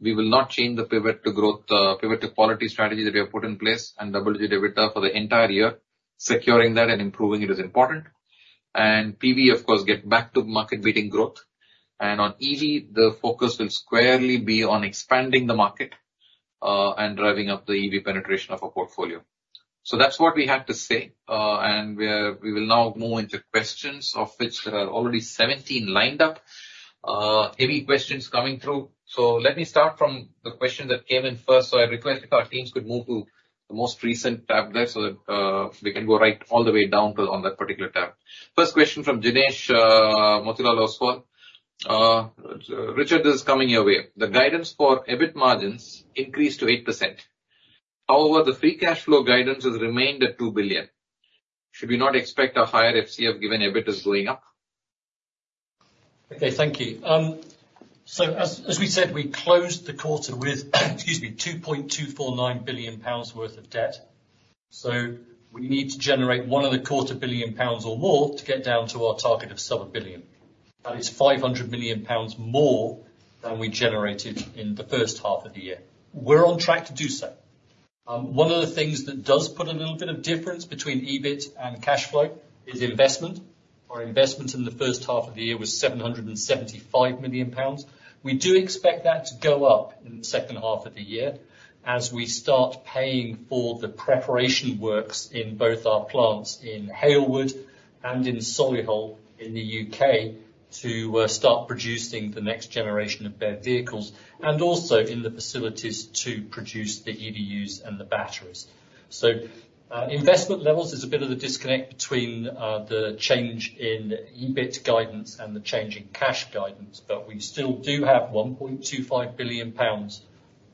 B: We will not change the pivot to growth, pivot to quality strategy that we have put in place and double the EBITDA for the entire year. Securing that and improving it is important. PV, of course, get back to market-leading growth. On EV, the focus will squarely be on expanding the market and driving up the EV penetration of our portfolio. So that's what we have to say, and we will now move into questions, of which there are already 17 lined up. Heavy questions coming through, so let me start from the question that came in first. So I request if our teams could move to the most recent tab there, so that, we can go right all the way down to on that particular tab. First question from Dinesh, Motilal Oswal. Richard, this is coming your way. The guidance for EBIT margins increased to 8%. However, the free cash flow guidance has remained at 2 billion. Should we not expect a higher FCF, given EBIT is going up?
C: Okay, thank you. So as we said, we closed the quarter with 2.249 billion pounds worth of debt, so we need to generate 1.25 billion pounds or more to get down to our target of sub-1 billion. That is 500 million pounds more than we generated in the first half of the year. We're on track to do so. One of the things that does put a little bit of difference between EBIT and cash flow is investment. Our investment in the first half of the year was 775 million pounds. We do expect that to go up in the second half of the year, as we start paying for the preparation works in both our plants in Halewood and in Solihull, in the U.K., to start producing the next generation of BEV vehicles, and also in the facilities to produce the EDUs and the batteries. So, investment levels is a bit of a disconnect between the change in EBIT guidance and the change in cash guidance, but we still do have 1.25 billion pounds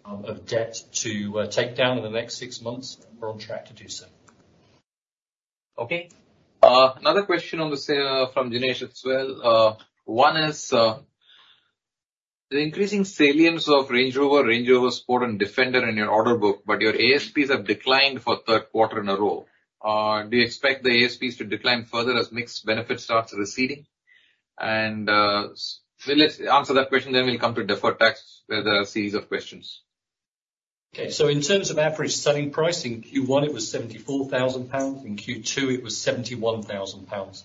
C: of debt to take down in the next six months, and we're on track to do so.
B: Okay. Another question on the same, from Dinesh as well. One is, the increasing salience of Range Rover, Range Rover Sport and Defender in your order book, but your ASPs have declined for third quarter in a row. Do you expect the ASPs to decline further as mix benefit starts receding? And, so let's answer that question, then we'll come to deferred tax, where there are a series of questions.
C: Okay, so in terms of average selling price, in Q1, it was 74,000 pounds, in Q2, it was 71,000 pounds.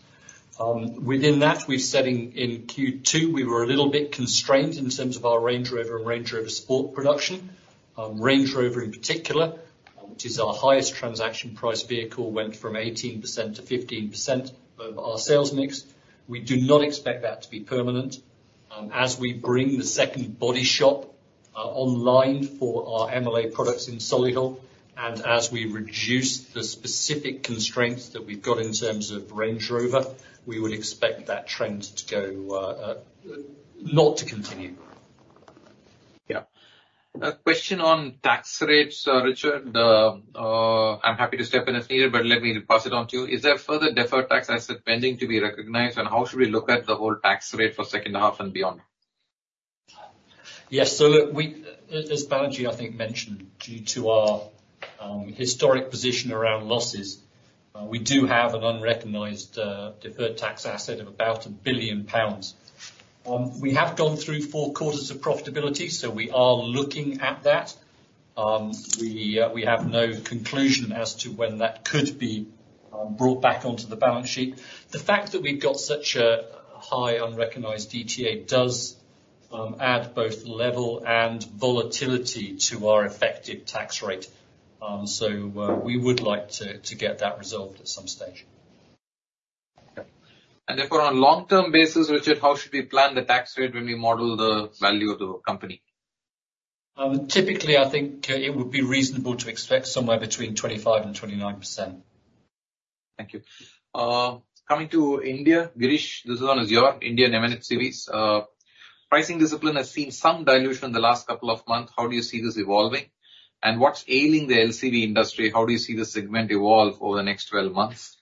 C: Within that, we're selling in Q2, we were a little bit constrained in terms of our Range Rover and Range Rover Sport production. Range Rover in particular, which is our highest transaction price vehicle, went from 18%-15% of our sales mix. We do not expect that to be permanent. As we bring the second body shop online for our MLA products in Solihull, and as we reduce the specific constraints that we've got in terms of Range Rover, we would expect that trend to go, not to continue.
B: Yeah. A question on tax rates, Richard. I'm happy to step in if needed, but let me pass it on to you. Is there further deferred tax asset pending to be recognized, and how should we look at the whole tax rate for second half and beyond?
C: Yes. So as Balaji, I think, mentioned, due to our historic position around losses, we do have an unrecognized deferred tax asset of about 1 billion pounds. We have gone through four quarters of profitability, so we are looking at that. We have no conclusion as to when that could be brought back onto the balance sheet. The fact that we've got such a high unrecognized DTA does add both level and volatility to our effective tax rate. So we would like to get that resolved at some stage.
B: Okay. And therefore, on long-term basis, Richard, how should we plan the tax rate when we model the value of the company?
C: Typically, I think, it would be reasonable to expect somewhere between 25% and 29%.
B: Thank you. Coming to India, Girish, this one is your India MHCV series. Pricing discipline has seen some dilution in the last couple of months. How do you see this evolving? And what's ailing the LCV industry, how do you see this segment evolve over the next 12 months?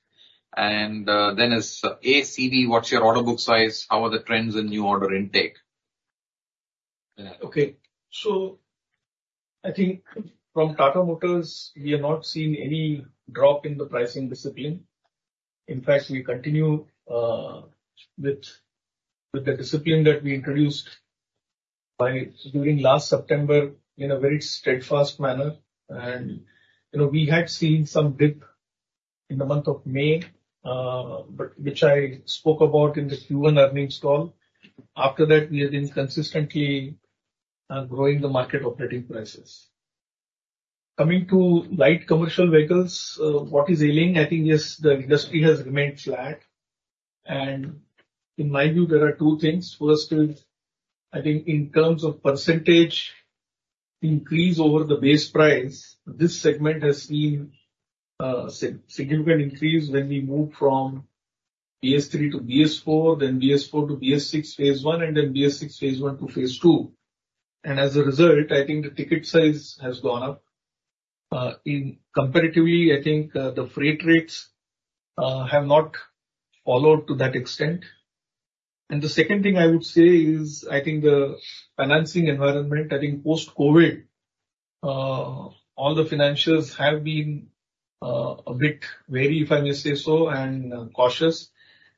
B: And, then as Ace EV, what's your order book size? How are the trends in new order intake?
D: Okay, so I think from Tata Motors, we have not seen any drop in the pricing discipline. In fact, we continue, with, with the discipline that we introduced by during last September in a very steadfast manner. And, you know, we had seen some dip in the month of May, but which I spoke about in the Q1 earnings call. After that, we have been consistently, growing the market operating prices. Coming to light commercial vehicles, what is ailing, I think is the industry has remained flat, and in my view, there are two things. First is, I think in terms of percentage increase over the base price, this segment has seen, significant increase when we moved from BS3 to BS4, then BS4 to BS6 Phase I, and then BS6 Phase I to Phase II. As a result, I think the ticket size has gone up, in comparatively, I think, the freight rates, have not followed to that extent. And the second thing I would say is, I think the financing environment, I think post-COVID, all the financials have been, a bit wary, if I may say so, and, cautious,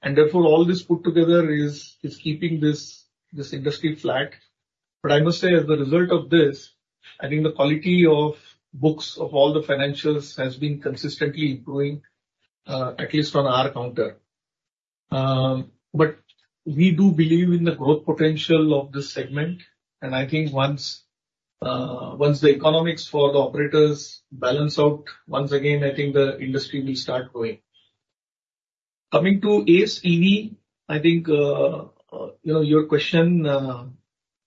D: and therefore, all this put together is, is keeping this, this industry flat. But I must say, as a result of this, I think the quality of books of all the financials has been consistently improving, at least on our counter. But we do believe in the growth potential of this segment, and I think once, once the economics for the operators balance out, once again, I think the industry will start growing. Coming to Ace EV, I think, you know, your question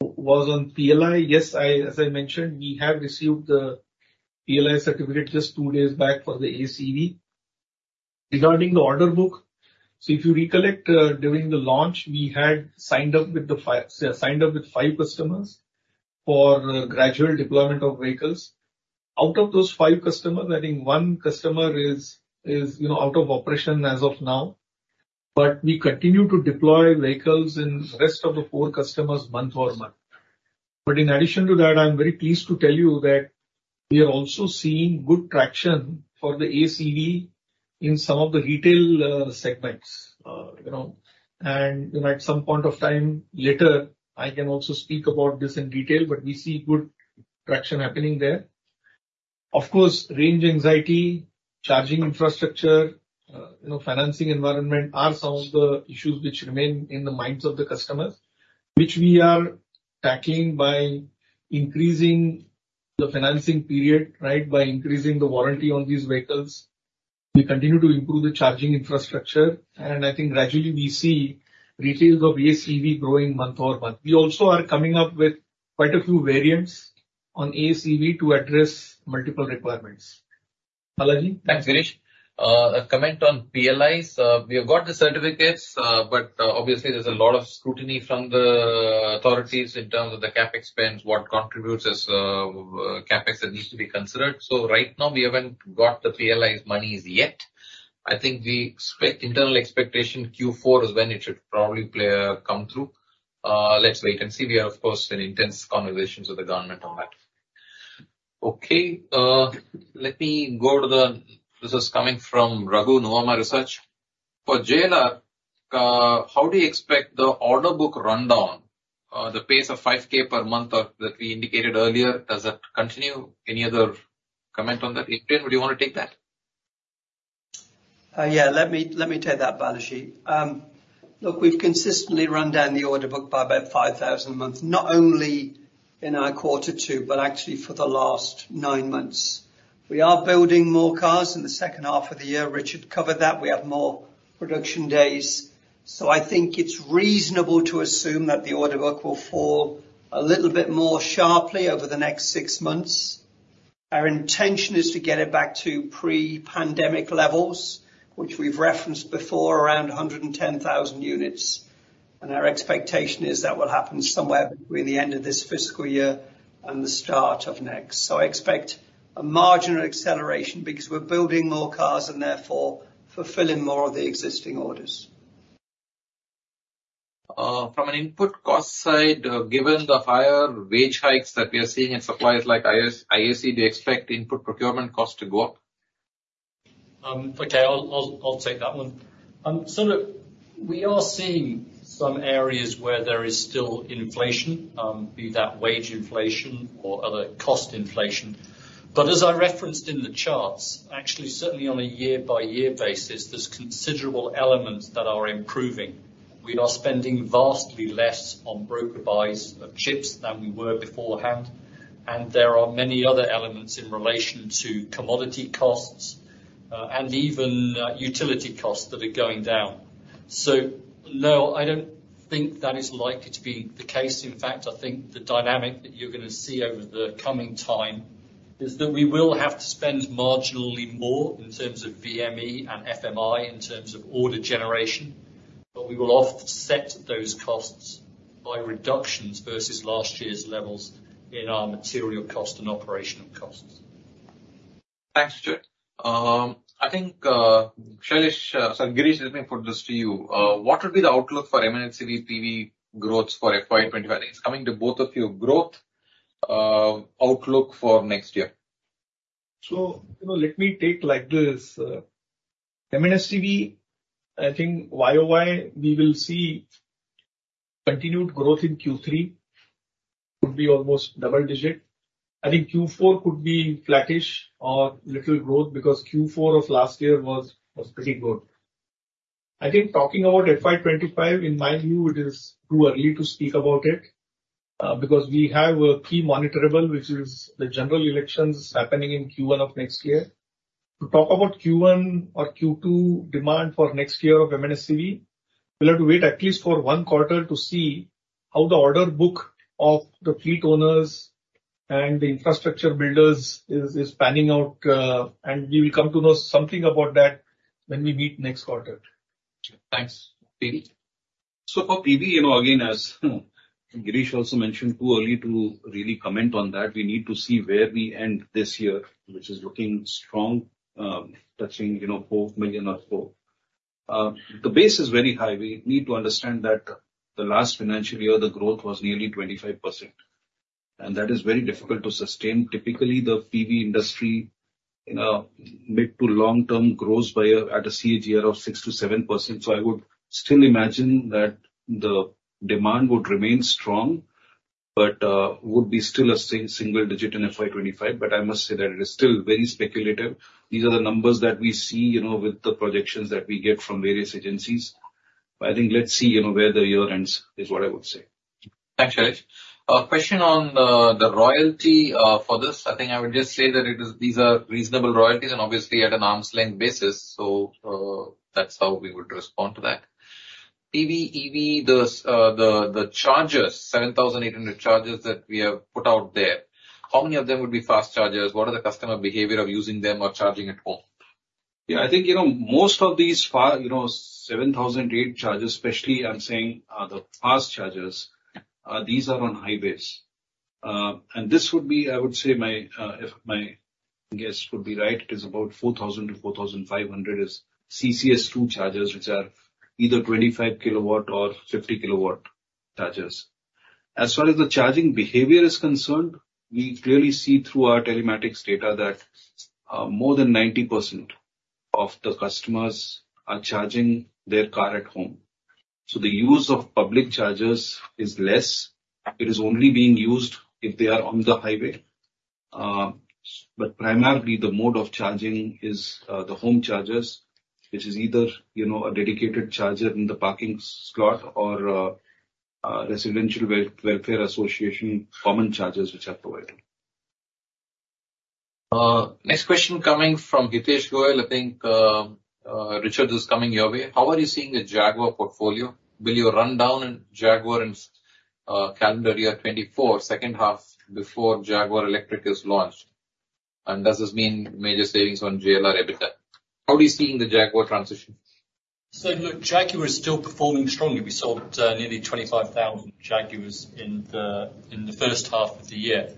D: was on PLI. Yes. As I mentioned, we have received the PLI certificate just two days back for the Ace EV. Regarding the order book, so if you recollect, during the launch, we had signed up with five customers for gradual deployment of vehicles. Out of those five customers, I think one customer is, you know, out of operation as of now, but we continue to deploy vehicles in rest of the four customers month over month. But in addition to that, I'm very pleased to tell you that we are also seeing good traction for the Ace EV in some of the retail segments. You know, and, you know, at some point of time later, I can also speak about this in detail, but we see good traction happening there. Of course, range anxiety, charging infrastructure, you know, financing environment are some of the issues which remain in the minds of the customers, which we are tackling by increasing the financing period, right? By increasing the warranty on these vehicles. We continue to improve the charging infrastructure, and I think gradually we see retails of Ace EV growing month-over-month. We also are coming up with quite a few variants on Ace EV to address multiple requirements. Balaji?
B: Thanks, Girish. A comment on PLIs. We have got the certificates, but obviously, there's a lot of scrutiny from the authorities in terms of the CapEx spends, what contributes as CapEx that needs to be considered. So right now, we haven't got the PLI monies yet. I think the internal expectation, Q4 is when it should probably play come through. Let's wait and see. We are, of course, in intense conversations with the government on that. Okay, let me go to the. This is coming from Raghu, Nomura Research. For JLR, how do you expect the order book rundown, the pace of 5,000 per month or that we indicated earlier, does that continue? Any other comment on that? Adrian, would you want to take that?
F: Yeah, let me take that, Balaji. Look, we've consistently run down the order book by about 5,000 a month, not only in our quarter two, but actually for the last 9 months. We are building more cars in the second half of the year. Richard covered that. We have more production days, so I think it's reasonable to assume that the order book will fall a little bit more sharply over the next 6 months. Our intention is to get it back to pre-pandemic levels, which we've referenced before, around 110,000 units, and our expectation is that will happen somewhere between the end of this fiscal year and the start of next. So I expect a marginal acceleration, because we're building more cars and therefore fulfilling more of the existing orders.
B: From an input cost side, given the higher wage hikes that we are seeing in suppliers like AIS, do you expect input procurement costs to go up?
C: Okay, I'll take that one. So look, we are seeing some areas where there is still inflation, be that wage inflation or other cost inflation. But as I referenced in the charts, actually, certainly on a year-by-year basis, there's considerable elements that are improving. We are spending vastly less on broker buys of chips than we were beforehand, and there are many other elements in relation to commodity costs, and even utility costs that are going down. So, no, I don't think that is likely to be the case. In fact, I think the dynamic that you're gonna see over the coming time is that we will have to spend marginally more in terms of VME and FME, in terms of order generation, but we will offset those costs by reductions versus last year's levels in our material cost and operational costs.
B: Thanks, Richard. I think, Shailesh, sorry, Girish, let me put this to you. What would be the outlook for M&HCV PV growth for FY 2025? It's coming to both of you. Growth, outlook for next year.
D: So, you know, let me take like this, M&HCV, I think YOY, we will see continued growth in Q3, could be almost double-digit. I think Q4 could be flattish or little growth, because Q4 of last year was pretty good. I think talking about FY 2025, in my view, it is too early to speak about it, because we have a key monitorable, which is the general elections happening in Q1 of next year. To talk about Q1 or Q2 demand for next year of M&HCV, we'll have to wait at least for one quarter to see how the order book of the fleet owners and the infrastructure builders is panning out, and we will come to know something about that when we meet next quarter.
B: Thanks. PV?
E: So for PV, you know, again, as Girish also mentioned, too early to really comment on that. We need to see where we end this year, which is looking strong, touching, you know, 4 million or so. The base is very high. We need to understand that the last financial year, the growth was nearly 25%, and that is very difficult to sustain. Typically, the PV industry in a mid- to long-term grows by a CAGR of 6%-7%, so I would still imagine that the demand would remain strong, but would be still a single digit in FY 2025. But I must say that it is still very speculative. These are the numbers that we see, you know, with the projections that we get from various agencies, but I think, let's see, you know, where the year ends, is what I would say.
B: Thanks, Shailesh. A question on the royalty for this. I think I would just say that it is, these are reasonable royalties and obviously at an arm's length basis, so that's how we would respond to that. PV, EV, the chargers, 7,800 chargers that we have put out there, how many of them would be fast chargers? What are the customer behavior of using them or charging at home?
E: Yeah, I think, you know, most of these. You know, 7,800 chargers, especially I'm saying, the fast chargers, these are on highways. And this would be, I would say, my, if my guess would be right, it is about 4,000-4,500 is CCS2 chargers, which are either 25 kW or 50 kW chargers. As far as the charging behavior is concerned, we clearly see through our telematics data that, more than 90% of the customers are charging their car at home. So the use of public chargers is less. It is only being used if they are on the highway. But primarily, the mode of charging is the home chargers, which is either, you know, a dedicated charger in the parking slot or residential welfare association common chargers, which are provided.
B: Next question coming from Hitesh Goyal. I think, Richard, this is coming your way. How are you seeing the Jaguar portfolio? Will you run down Jaguar in, calendar year 2024, second half, before Jaguar electric is launched? And does this mean major savings on JLR EBITDA? How are you seeing the Jaguar transition?
C: So look, Jaguar is still performing strongly. We sold nearly 25,000 Jaguars in the first half of the year.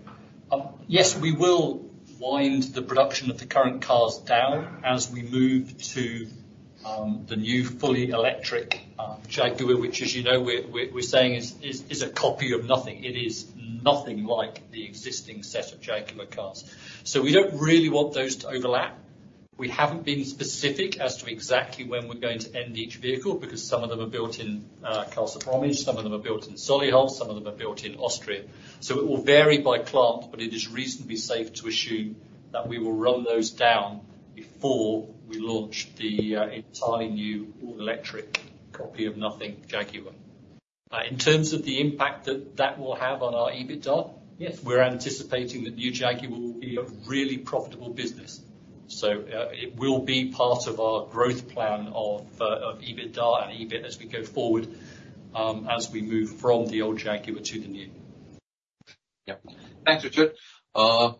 C: Yes, we will wind the production of the current cars down as we move to the new fully electric Jaguar, which as you know, we're saying is a copy of nothing. It is nothing like the existing set of Jaguar cars. So we don't really want those to overlap. We haven't been specific as to exactly when we're going to end each vehicle, because some of them are built in Castle Bromwich, some of them are built in Solihull, some of them are built in Austria. So it will vary by plant, but it is reasonably safe to assume that we will run those down before we launch the entirely new, all-electric copy of nothing Jaguar. In terms of the impact that that will have on our EBITDA, yes, we're anticipating that the new Jaguar will be a really profitable business. So, it will be part of our growth plan of EBITDA and EBIT as we go forward, as we move from the old Jaguar to the new.
B: Yeah. Thanks, Richard.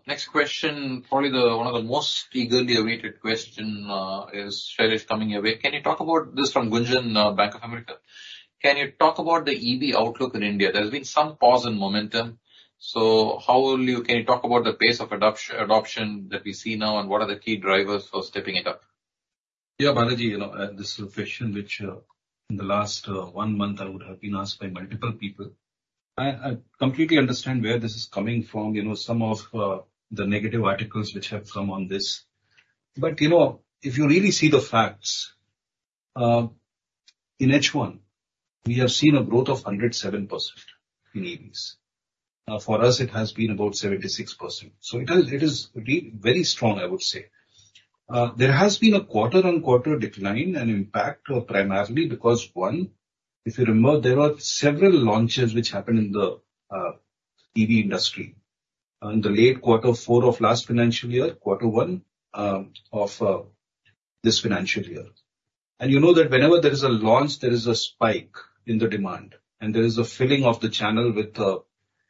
B: Next question, probably the one of the most eagerly awaited question, is Shailesh, coming your way. Can you talk about... This from Gunjan, Bank of America. Can you talk about the EV outlook in India? There's been some pause in momentum, so how will you... Can you talk about the pace of adoption that we see now, and what are the key drivers for stepping it up?
E: Yeah, Balaji, you know, this is a question which, in the last one month, I would have been asked by multiple people. I completely understand where this is coming from, you know, some of the negative articles which have come on this. But, you know, if you really see the facts, in H1, we have seen a growth of 107% in EVs. For us, it has been about 76%, so it is really very strong, I would say. There has been a quarter-on-quarter decline and impact, primarily because, one, if you remember, there were several launches which happened in the EV industry, in the late quarter four of last financial year, quarter one, of this financial year. You know that whenever there is a launch, there is a spike in the demand, and there is a filling of the channel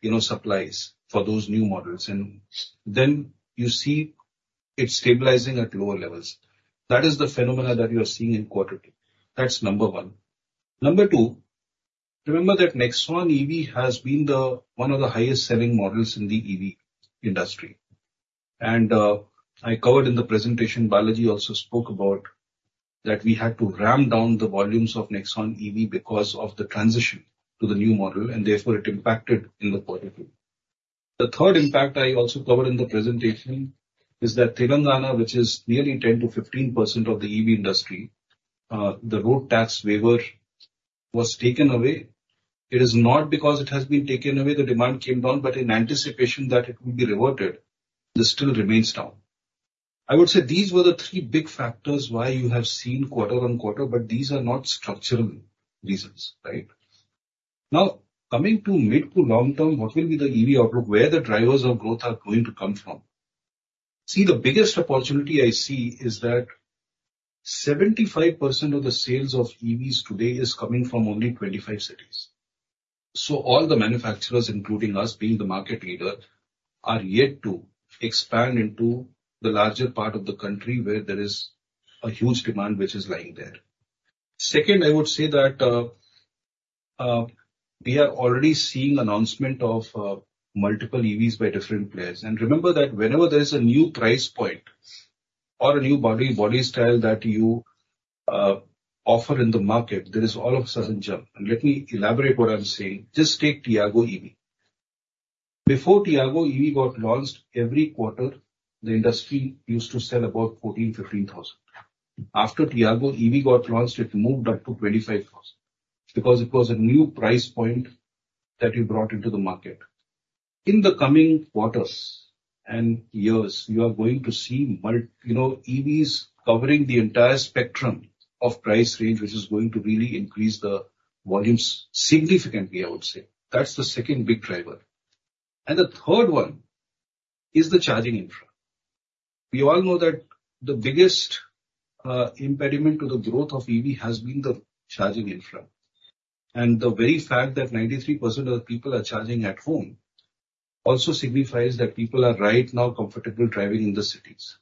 E: with, you know, supplies for those new models, and then you see it stabilizing at lower levels. That is the phenomenon that you are seeing in quarter two. That's number one. Number two- Remember that Nexon EV has been the, one of the highest selling models in the EV industry. And, I covered in the presentation, Balaji also spoke about that we had to ramp down the volumes of Nexon EV because of the transition to the new model, and therefore it impacted in the quarter two. The third impact I also covered in the presentation is that Telangana, which is nearly 10%-15% of the EV industry, the road tax waiver was taken away. It is not because it has been taken away, the demand came down, but in anticipation that it will be reverted, this still remains down. I would say these were the three big factors why you have seen quarter-over-quarter, but these are not structural reasons, right? Now, coming to mid to long term, what will be the EV outlook, where the drivers of growth are going to come from? See, the biggest opportunity I see is that 75% of the sales of EVs today is coming from only 25 cities. So all the manufacturers, including us, being the market leader, are yet to expand into the larger part of the country, where there is a huge demand which is lying there. Second, I would say that, we are already seeing announcement of multiple EVs by different players. And remember that whenever there's a new price point or a new body, body style that you offer in the market, there is all of a sudden jump. And let me elaborate what I'm saying. Just take Tiago EV. Before Tiago EV got launched, every quarter, the industry used to sell about 14,000-15,000. After Tiago EV got launched, it moved up to 25,000, because it was a new price point that we brought into the market. In the coming quarters and years, you are going to see you know, EVs covering the entire spectrum of price range, which is going to really increase the volumes significantly, I would say. That's the second big driver. And the third one is the charging infra. We all know that the biggest impediment to the growth of EV has been the charging infra, and the very fact that 93% of the people are charging at home also signifies that people are right now comfortable driving in the cities.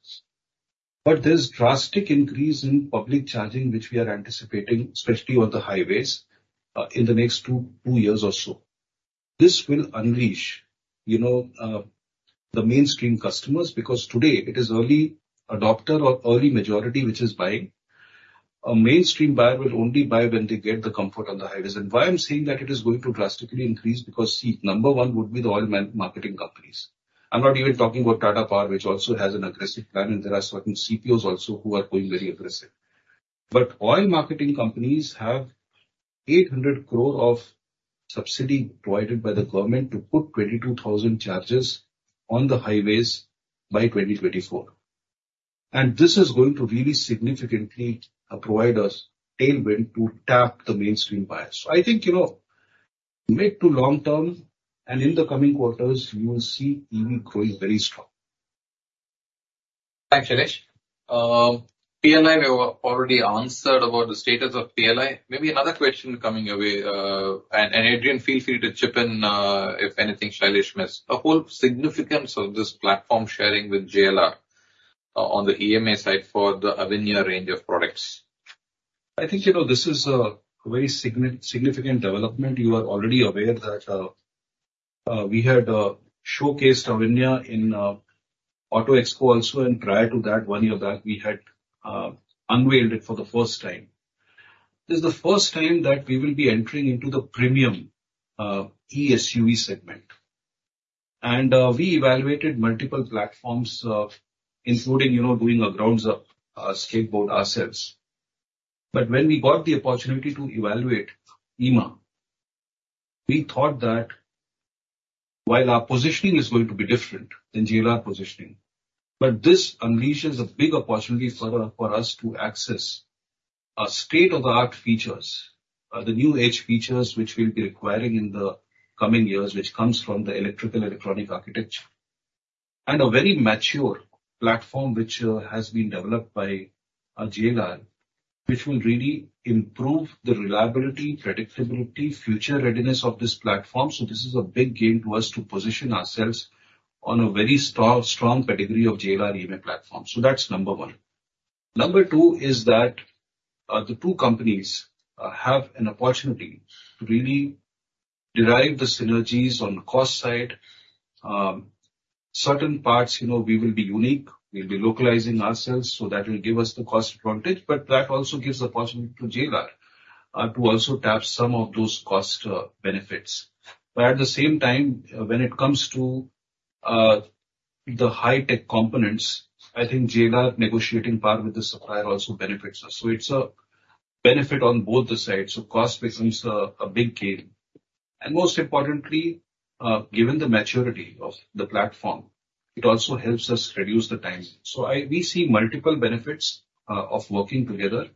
E: There's a drastic increase in public charging, which we are anticipating, especially on the highways, in the next two years or so. This will unleash, you know, the mainstream customers, because today it is early adopter or early majority, which is buying. A mainstream buyer will only buy when they get the comfort on the highways. And why I'm saying that it is going to drastically increase, because, see, number one would be the oil marketing companies. I'm not even talking about Tata Power, which also has an aggressive plan, and there are certain CPOs also who are going very aggressive. But oil marketing companies have 800 crore of subsidy provided by the government to put 22,000 chargers on the highways by 2024, and this is going to really significantly provide us tailwind to tap the mainstream buyers. I think, you know, mid to long term, and in the coming quarters, you will see EV growing very strong.
B: Thanks, Shailesh. PLI, we have already answered about the status of PLI. Maybe another question coming your way, and Adrian, feel free to chip in, if anything Shailesh missed. A whole significance of this platform sharing with JLR, on the EMA side for the Avinya range of products.
E: I think, you know, this is a very significant development. You are already aware that we had showcased Avinya in Auto Expo also, and prior to that, one year back, we had unveiled it for the first time. This is the first time that we will be entering into the premium eSUV segment. And we evaluated multiple platforms, including, you know, doing a ground-up skateboard ourselves. But when we got the opportunity to evaluate EMA, we thought that while our positioning is going to be different than JLR positioning, but this unleashes a big opportunity for us to access a state-of-the-art features, the new age features, which we'll be requiring in the coming years, which comes from the electrical and electronic architecture, and a very mature platform which has been developed by JLR, which will really improve the reliability, predictability, future readiness of this platform. So this is a big gain to us to position ourselves on a very strong, strong pedigree of JLR EMA platform. So that's number one. Number two is that the two companies have an opportunity to really derive the synergies on the cost side. Certain parts, you know, we will be unique. We'll be localizing ourselves, so that will give us the cost advantage, but that also gives the opportunity to JLR to also tap some of those cost benefits. But at the same time, when it comes to the high-tech components, I think JLR negotiating power with the supplier also benefits us. So it's a benefit on both the sides, so cost becomes a big gain. And most importantly, given the maturity of the platform, it also helps us reduce the time. So I... We see multiple benefits of working together.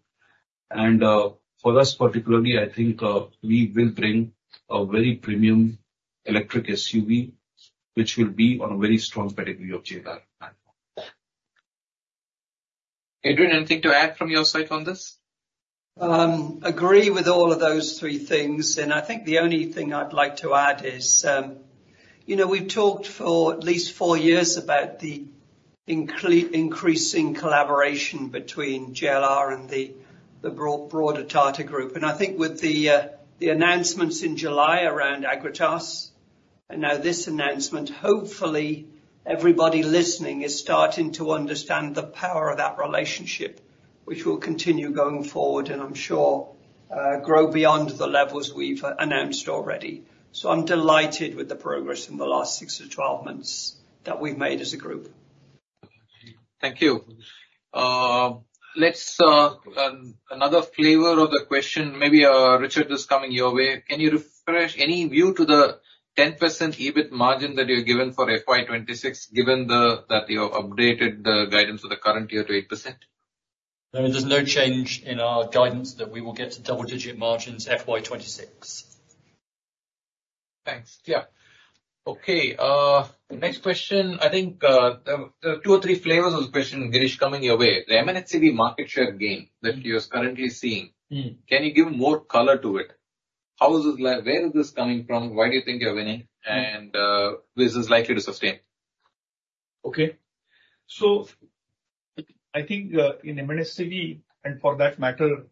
E: And for us particularly, I think we will bring a very premium electric SUV, which will be on a very strong pedigree of JLR platform.
B: Adrian, anything to add from your side on this?
F: Agree with all of those three things, and I think the only thing I'd like to add is, You know, we've talked for at least four years about the increasing collaboration between JLR and the broader Tata Group. And I think with the announcements in July around Agratas and now this announcement, hopefully everybody listening is starting to understand the power of that relationship, which will continue going forward, and I'm sure grow beyond the levels we've announced already. So I'm delighted with the progress in the last six to 12 months that we've made as a group.
B: Thank you. Let's another flavor of the question, maybe, Richard, this is coming your way. Can you refresh any view to the 10% EBIT margin that you've given for FY 2026, given that you have updated the guidance of the current year to 8%?
C: No, there's no change in our guidance that we will get to double-digit margins FY 2026.
B: Thanks. Yeah. Okay, next question. I think, there are two or three flavors of the question, Girish, coming your way. The MNCV market share gain that you are currently seeing-
D: Mm.
B: Can you give more color to it? How is this like... Where is this coming from? Why do you think you're winning?
D: Mm.
B: This is likely to sustain.
D: Okay. So I think, in M&HCV, and for that matter,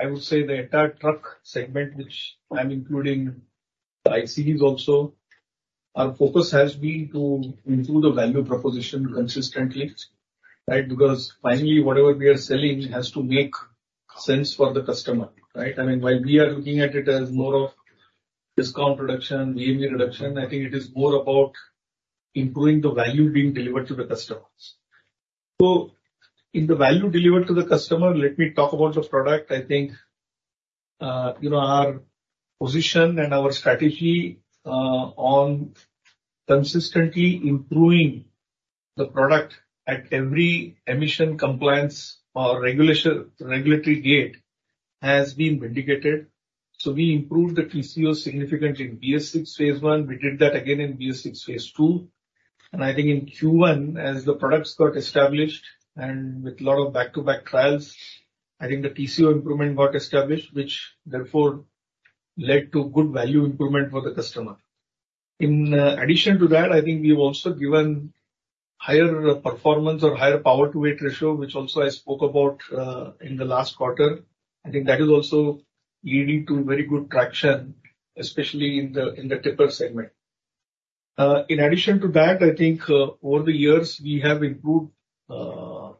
D: I would say the entire truck segment, which I'm including ICEs also, our focus has been to improve the value proposition consistently, right? Because finally, whatever we are selling has to make sense for the customer, right? I mean, while we are looking at it as more of discount reduction, OEM reduction, I think it is more about improving the value being delivered to the customers. So in the value delivered to the customer, let me talk about the product. I think, you know, our position and our strategy, on consistently improving the product at every emission compliance or regulation, regulatory gate, has been vindicated. So we improved the TCO significantly in BS6 Phase I. We did that again in BS6 Phase II, and I think in Q1, as the products got established and with a lot of back-to-back trials, I think the TCO improvement got established, which therefore led to good value improvement for the customer. In addition to that, I think we've also given higher performance or higher power-to-weight ratio, which also I spoke about in the last quarter. I think that is also leading to very good traction, especially in the tipper segment. In addition to that, I think over the years, we have improved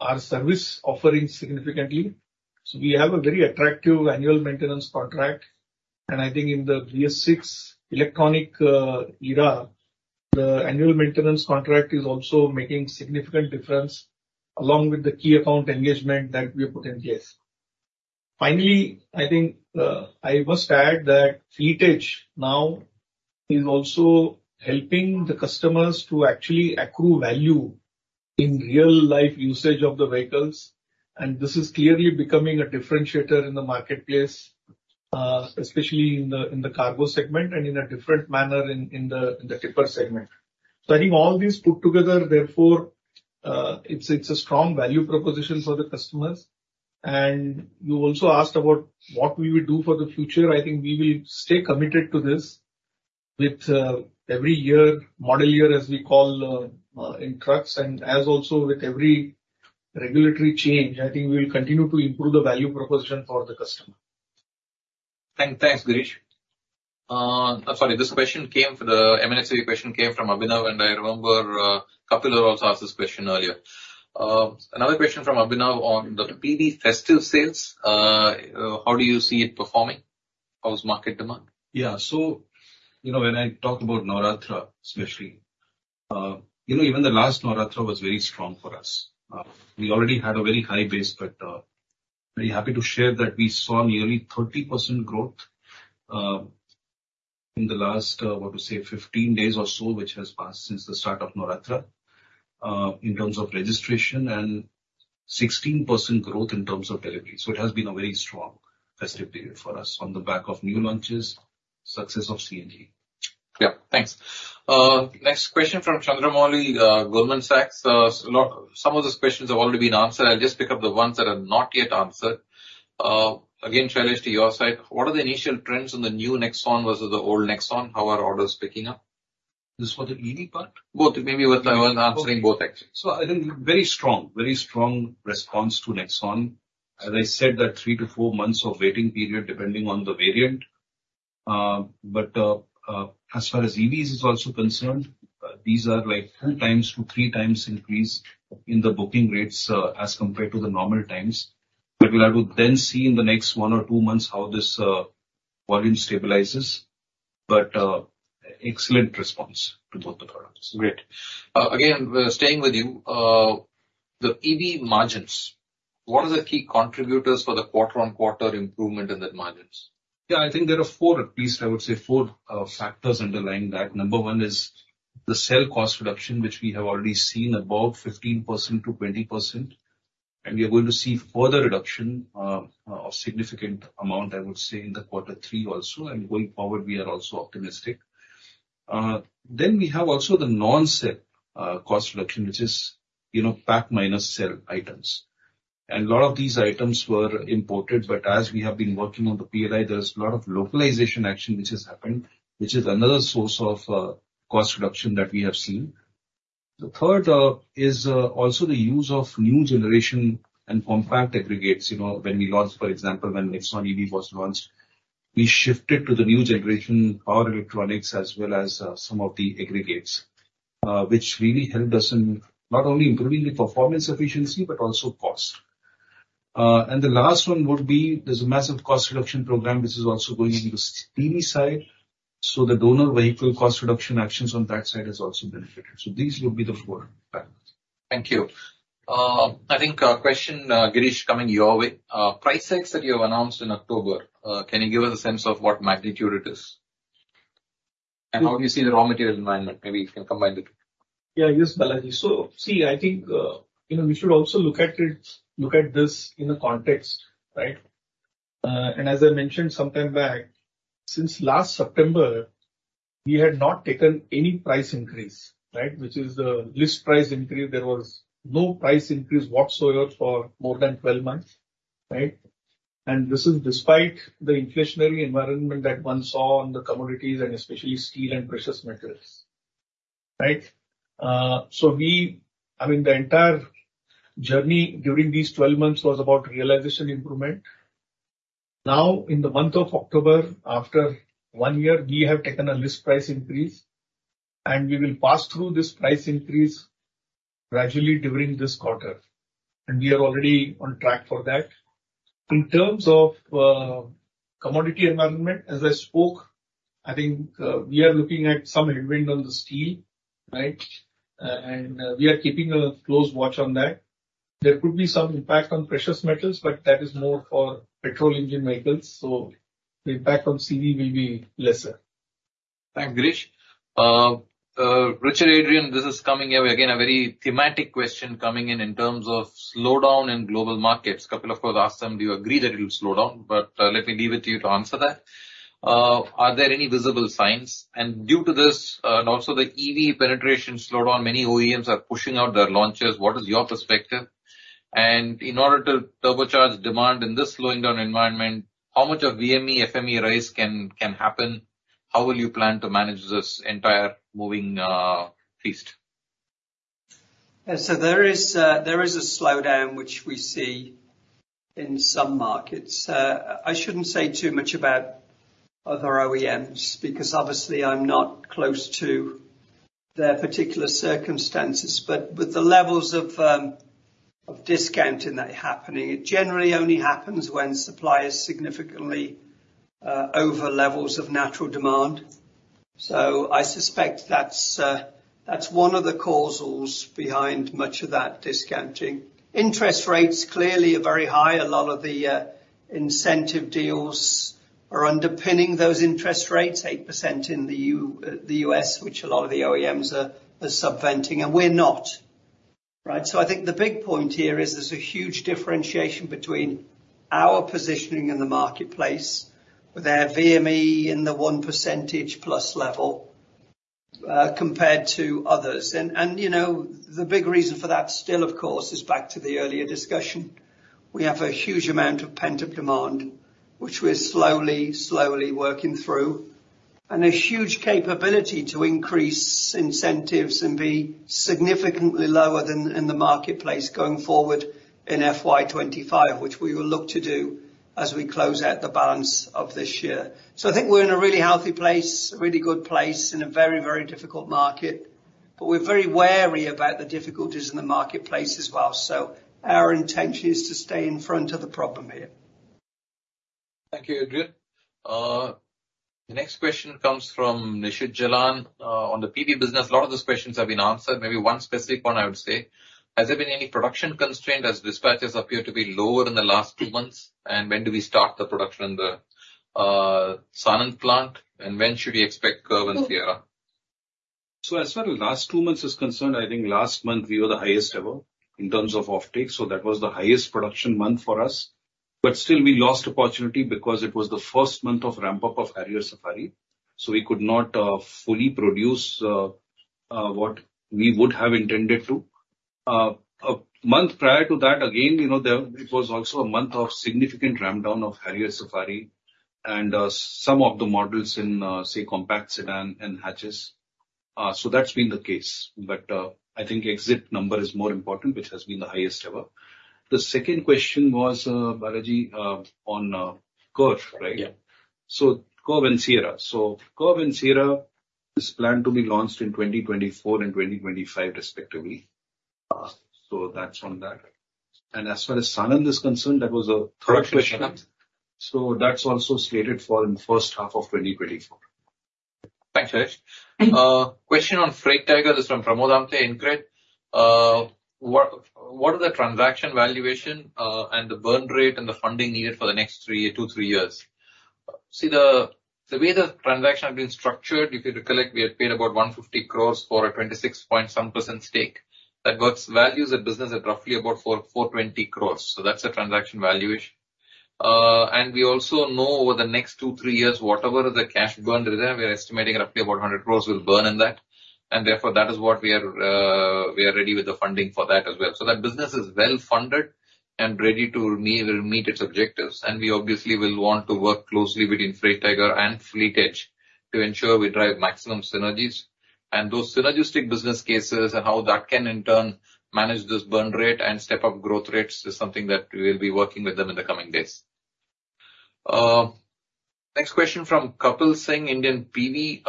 D: our service offerings significantly. So we have a very attractive annual maintenance contract, and I think in the BS6 electronic era, the annual maintenance contract is also making significant difference, along with the key account engagement that we have put in place. Finally, I think, I must add that Fleet Edge now is also helping the customers to actually accrue value in real-life usage of the vehicles, and this is clearly becoming a differentiator in the marketplace, especially in the cargo segment and in a different manner in the tipper segment. I think all these put together, therefore, it's a strong value proposition for the customers. You also asked about what we will do for the future. I think we will stay committed to this with every year, model year, as we call in trucks, and as also with every regulatory change, I think we will continue to improve the value proposition for the customer.
B: Thanks, Girish. Sorry, this question came from the... M&HCV question came from Abhinav, and I remember, Kapil also asked this question earlier. Another question from Abhinav on the PV festive sales, how do you see it performing? How is market demand?
D: Yeah. So, you know, when I talk about Navratri, especially, you know, even the last Navratri was very strong for us. We already had a very high base, but very happy to share that we saw nearly 30% growth in the last, how to say, 15 days or so, which has passed since the start of Navratri, in terms of registration, and 16% growth in terms of delivery. So it has been a very strong festive period for us on the back of new launches, success of CNG.
B: Yeah. Thanks. Next question from Chandramouli, Goldman Sachs. Some of these questions have already been answered. I'll just pick up the ones that are not yet answered. Again, Shailesh, to your side, what are the initial trends in the new Nexon versus the old Nexon? How are orders picking up?
E: This for the EV part?
B: Both. Maybe with answering both, actually.
E: So I think very strong, very strong response to Nexon. As I said, that 3-4 months of waiting period, depending on the variant. But, as far as EVs is also concerned, these are like 2-3 times increase in the booking rates, as compared to the normal times. We will have to then see in the next 1 or 2 months how this volume stabilizes, but excellent response to both the products.
B: Great. Again, staying with you, the EV margins, what are the key contributors for the quarter-on-quarter improvement in the margins?
E: Yeah, I think there are four, at least I would say four, factors underlying that. Number one is the cell cost reduction, which we have already seen above 15%-20%, and we are going to see further reduction of significant amount, I would say, in the quarter three also, and going forward, we are also optimistic. Then we have also the non-cell cost reduction, which is, you know, pack minus cell items... and a lot of these items were imported, but as we have been working on the PLI, there's a lot of localization action which has happened, which is another source of cost reduction that we have seen. The third is also the use of new generation and compact aggregates, you know, when we launched, for example, when Nexon EV was launched, we shifted to the new generation, power electronics, as well as some of the aggregates, which really helped us in not only improving the performance efficiency, but also cost. And the last one would be, there's a massive cost reduction program, which is also going into the ICE side, so the donor vehicle cost reduction actions on that side has also benefited. So these would be the four factors.
B: Thank you. I think question, Girish, coming your way. Price hikes that you have announced in October, can you give us a sense of what magnitude it is? And how do you see the raw material environment? Maybe you can combine the two.
D: Yeah, yes, Balaji. So see, I think, you know, we should also look at it, look at this in the context, right? And as I mentioned some time back, since last September, we had not taken any price increase, right? Which is the list price increase. There was no price increase whatsoever for more than 12 months, right? And this is despite the inflationary environment that one saw on the commodities, and especially steel and precious metals, right? So we... I mean, the entire journey during these 12 months was about realization improvement. Now, in the month of October, after one year, we have taken a list price increase, and we will pass through this price increase gradually during this quarter, and we are already on track for that. In terms of commodity environment, as I spoke, I think we are looking at some headwind on the steel, right? We are keeping a close watch on that. There could be some impact on precious metals, but that is more for petrol engine vehicles, so the impact on CV will be lesser.
B: Thanks, Girish. Richard, Adrian, this is coming your way. Again, a very thematic question coming in terms of slowdown in global markets. Couple of course ask them, do you agree that it will slow down? But let me leave it to you to answer that. Are there any visible signs? And due to this and also the EV penetration slowdown, many OEMs are pushing out their launches, what is your perspective? And in order to turbocharge demand in this slowing down environment, how much of VME, FME raise can happen? How will you plan to manage this entire moving feast?
F: Yeah. So there is, there is a slowdown, which we see in some markets. I shouldn't say too much about other OEMs, because obviously I'm not close to their particular circumstances. But with the levels of, of discounting that are happening, it generally only happens when supply is significantly, over levels of natural demand. So I suspect that's, that's one of the causals behind much of that discounting. Interest rates clearly are very high. A lot of the, incentive deals are underpinning those interest rates, 8% in the U.S., which a lot of the OEMs are, subventing, and we're not, right? So I think the big point here is there's a huge differentiation between our positioning in the marketplace, with our VME in the 1% plus level, compared to others. you know, the big reason for that still, of course, is back to the earlier discussion. We have a huge amount of pent-up demand, which we're slowly, slowly working through, and a huge capability to increase incentives and be significantly lower than in the marketplace going forward in FY20 25, which we will look to do as we close out the balance of this year. So I think we're in a really healthy place, a really good place, in a very, very difficult market, but we're very wary about the difficulties in the marketplace as well. So our intention is to stay in front of the problem here.
B: Thank you, Adrian. The next question comes from Nishit Jalan, on the PE business. A lot of those questions have been answered. Maybe one specific one I would say, has there been any production constraint as dispatches appear to be lower than the last two months? And when do we start the production in the, Sanand plant, and when should we expect Curvv and Sierra?
D: So as far as last two months is concerned, I think last month we were the highest ever in terms of offtake, so that was the highest production month for us. But still, we lost opportunity because it was the first month of ramp-up of Harrier Safari, so we could not fully produce what we would have intended to. A month prior to that, again, you know, there it was also a month of significant ramp-down of Harrier Safari and some of the models in, say, compact sedan and hatches. So that's been the case, but I think exit number is more important, which has been the highest ever. The second question was, Balaji, on Curvv, right?
B: Yeah.
D: So Curvv and Sierra. So Curvv and Sierra is planned to be launched in 2024 and 2025 respectively. so that's on that. And as far as Sanand is concerned, that was the third question. So that's also slated for in the first half of 2024.
B: Thanks, Girish. Question on Freight Tiger, this is from Pramod Amte, InCred. What, what are the transaction valuation, and the burn rate, and the funding needed for the next three years, two, three years?
D: See the way the transaction has been structured, if you recollect, we had paid about 150 crore for a 26-point-some% stake. That works, values the business at roughly about 4,420 crore, so that's the transaction valuation. And we also know over the next 2-3 years, whatever the cash burn there, we are estimating roughly about 100 crore will burn in that, and therefore, that is what we are, we are ready with the funding for that as well. So that business is well funded and ready to meet its objectives. And we obviously will want to work closely between Freight Tiger and Fleet Edge to ensure we drive maximum synergies. And those synergistic business cases and how that can in turn manage this burn rate and step up growth rates, is something that we will be working with them in the coming days.
B: Next question from Kapil Singh, Indian PV.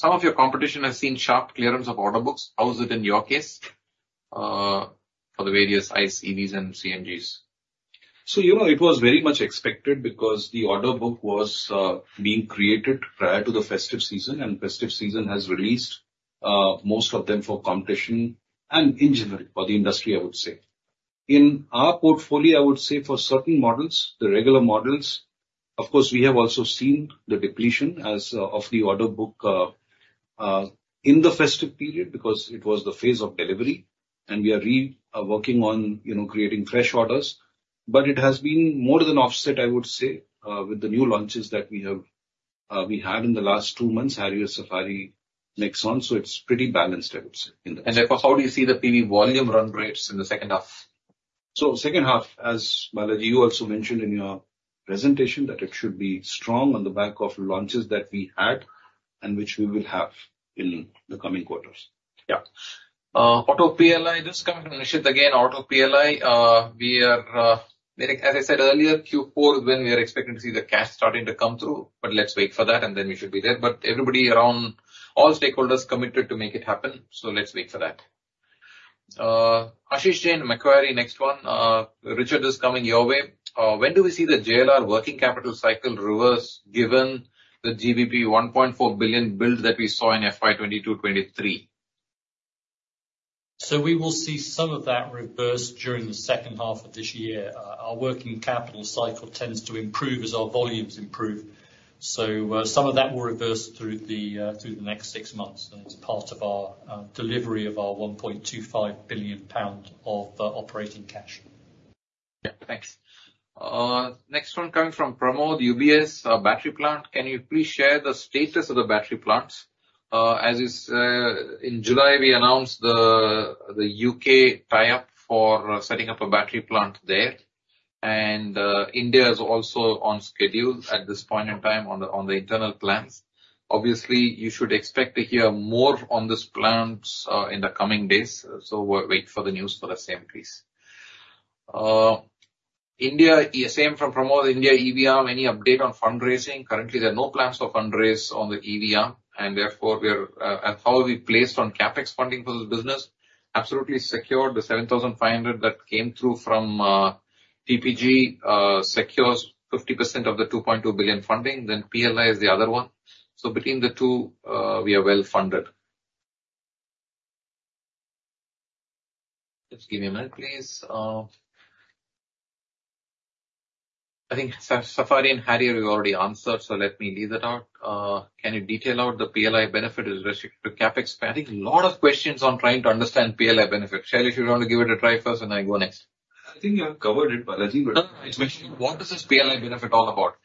B: Some of your competition has seen sharp clearance of order books. How is it in your case, for the various ICE, EVs and CNGs?
E: So you know, it was very much expected because the order book was being created prior to the festive season, and festive season has released most of them for competition and in general, for the industry, I would say. In our portfolio, I would say for certain models, the regular models, of course, we have also seen the depletion as of the order book in the festive period, because it was the phase of delivery, and we are working on, you know, creating fresh orders. But it has been more than offset, I would say, with the new launches that we have, we had in the last two months, Harrier, Safari, Nexon, so it's pretty balanced, I would say, in that.
B: Therefore, how do you see the PV volume run rates in the second half?
E: Second half, as Balaji, you also mentioned in your presentation, that it should be strong on the back of launches that we had and which we will have in the coming quarters.
B: Yeah. Auto PLI, this coming again, auto PLI, we are, like as I said earlier, Q4 is when we are expecting to see the cash starting to come through, but let's wait for that, and then we should be there. But everybody around, all stakeholders committed to make it happen, so let's wait for that. Ashish Jain, Macquarie, next one. Richard, this is coming your way. When do we see the JLR working capital cycle reverse, given the GBP 1.4 billion build that we saw in FY 2022-23?
C: So we will see some of that reverse during the second half of this year. Our working capital cycle tends to improve as our volumes improve. So, some of that will reverse through the next six months, and it's part of our delivery of our 1.25 billion pounds of operating cash.
B: Yeah. Thanks. Next one coming from Pramod, UBS. Battery plant. Can you please share the status of the battery plants? As is, in July, we announced the UK tie-up for setting up a battery plant there, and India is also on schedule at this point in time on the internal plans. Obviously, you should expect to hear more on these plans in the coming days, so we'll wait for the news for the same, please. India, same from Pramod. India EV arm, any update on fundraising? Currently, there are no plans for fundraise on the EV arm, and therefore, we are. And how are we placed on CapEx funding for this business? Absolutely secured. The 7,500 that came through from TPG secures 50% of the 2.2 billion funding, PLI is the other one. So between the two, we are well funded. Just give me a minute, please. I think Safari and Harrier you already answered, so let me leave that out. Can you detail out the PLI benefit with respect to CapEx? I think a lot of questions on trying to understand PLI benefit. Shailesh, you want to give it a try first, and I go next?
E: I think you have covered it, Balaji, but-
B: No, it's actually, what is this PLI benefit all about?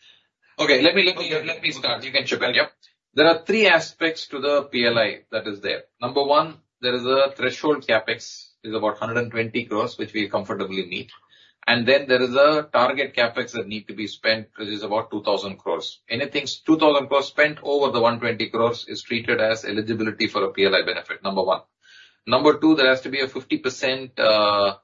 E: Okay, let me, let me, let me start. You can chip in, yeah. There are three aspects to the PLI that is there. Number one, there is a threshold CapEx, is about 120 crore, which we comfortably meet, and then there is a target CapEx that need to be spent, which is about 2,000 crore. Anything 2,000 crore spent over the 120 crore is treated as eligibility for a PLI benefit, number one. Number two, there has to be a 50%,
B: Mm-hmm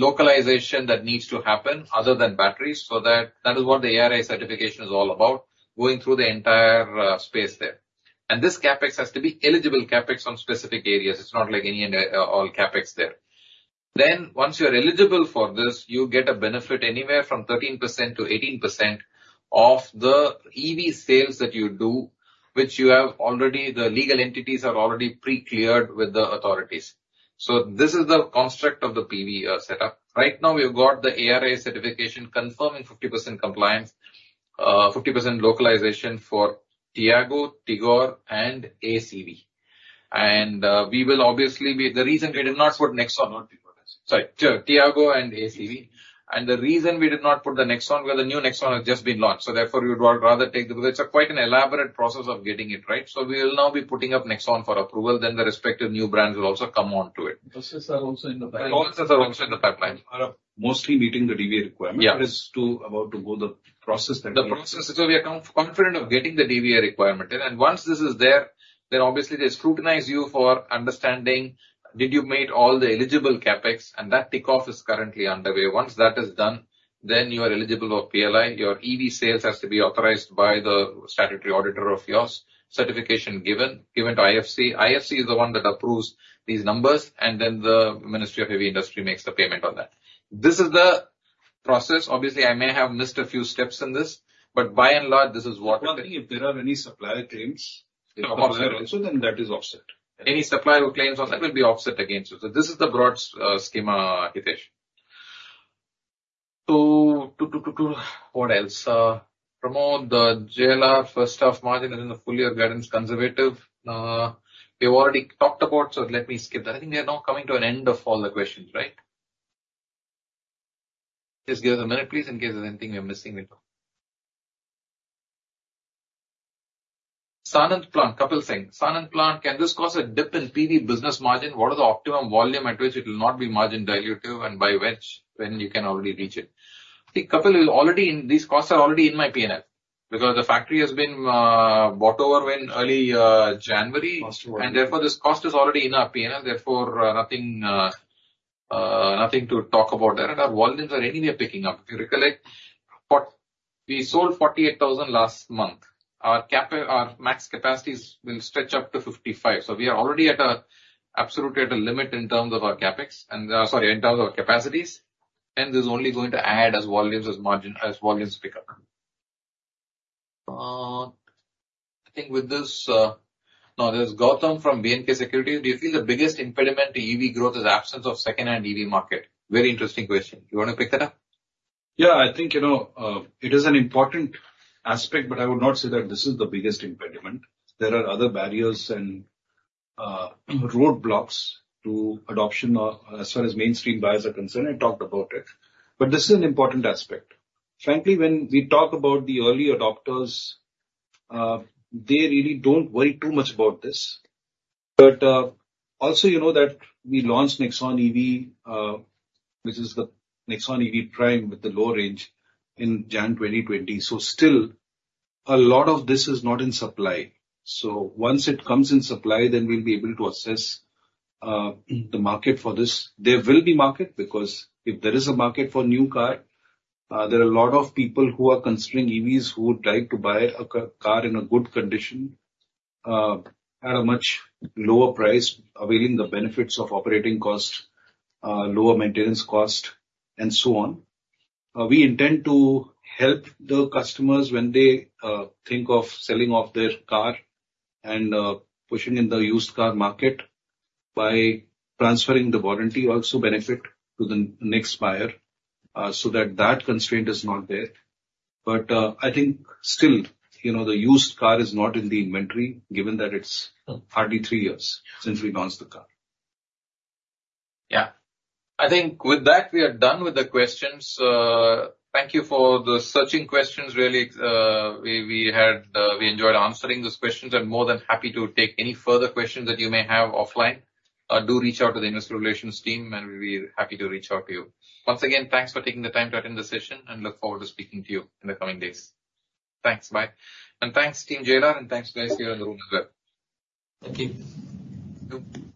E: Localization that needs to happen other than batteries. So that, that is what the ARAI Certification is all about, going through the entire space there. And this CapEx has to be eligible CapEx on specific areas. It's not like any and all CapEx there. Then once you are eligible for this, you get a benefit anywhere from 13%-18% of the EV sales that you do, which you have already... the legal entities are already pre-cleared with the authorities. So this is the construct of the PV setup. Right now, we've got the ARAI Certification confirming 50% compliance, 50% localization for Tiago, Tigor and Ace EV. And we will obviously be... The reason we did not put Nexon-
B: Not Tigor.
E: Sorry, Tiago and Ace EV. And the reason we did not put the Nexon, well, the new Nexon has just been launched, so therefore we would rather take the... It's quite an elaborate process of getting it right. So we will now be putting up Nexon for approval, then the respective new brands will also come onto it.
B: Buses are also in the pipeline.
E: Buses are also in the pipeline.
B: Are mostly meeting the DVA requirement.
E: Yeah.
B: But it's about to go through the process that-
E: The process. So we are confident of getting the DVA requirement. And once this is there, then obviously they scrutinize you for understanding, did you meet all the eligible CapEx? And that tick off is currently underway. Once that is done, then you are eligible for PLI. Your EV sales has to be authorized by the statutory auditor of yours, certification given to IFCI. IFCI is the one that approves these numbers, and then the Ministry of Heavy Industry makes the payment on that. This is the process. Obviously, I may have missed a few steps in this, but by and large, this is what-
B: One thing, if there are any supplier claims-
E: Of course.
B: Then that is offset.
E: Any supplier claims on that will be offset against it. So this is the broad schema, Hitesh. Two, two, two, what else? Pramod, the JLR first half margin is in the full year guidance conservative. We've already talked about, so let me skip that. I think we are now coming to an end of all the questions, right? Just give us a minute, please, in case there's anything we are missing at all. Sanand Plant, Kapil Singh. Sanand Plant, can this cause a dip in PV business margin? What is the optimum volume at which it will not be margin dilutive, and by which when you can already reach it? These costs are already in my P&L, because the factory has been bought over in early January, and therefore, this cost is already in our P&L. Therefore, nothing to talk about there. Our volumes are anyway picking up. If you recollect, we sold 48,000 last month. Our max capacities will stretch up to 55. So we are already at a absolutely at a limit in terms of our CapEx and, sorry, in terms of our capacities, and this is only going to add as volumes, as margin, as volumes pick up. I think with this... Now, there's Gautam from BNK Securities: "Do you feel the biggest impediment to EV growth is absence of second-hand EV market?" Very interesting question. You wanna pick that up?
D: Yeah, I think, you know, it is an important aspect, but I would not say that this is the biggest impediment. There are other barriers and roadblocks to adoption, as far as mainstream buyers are concerned. I talked about it, but this is an important aspect. Frankly, when we talk about the early adopters, they really don't worry too much about this. But also, you know that we launched Nexon EV, which is the Nexon EV Prime, with the low range in January 2020. So still, a lot of this is not in supply. So once it comes in supply, then we'll be able to assess the market for this. There will be market, because if there is a market for new car, there are a lot of people who are considering EVs, who would like to buy a car, car in a good condition, at a much lower price, availing the benefits of operating costs, lower maintenance cost, and so on. We intend to help the customers when they think of selling off their car and pushing in the used car market by transferring the warranty also benefit to the next buyer, so that, that constraint is not there. But I think still, you know, the used car is not in the inventory, given that it's hardly three years since we launched the car.
B: Yeah. I think with that, we are done with the questions. Thank you for the searching questions, really, we enjoyed answering those questions, and more than happy to take any further questions that you may have offline. Do reach out to the investor relations team, and we'll be happy to reach out to you. Once again, thanks for taking the time to attend the session and look forward to speaking to you in the coming days. Thanks, bye. And thanks, Team JLR, and thanks guys here in the room as well.
E: Thank you.
B: Thank you.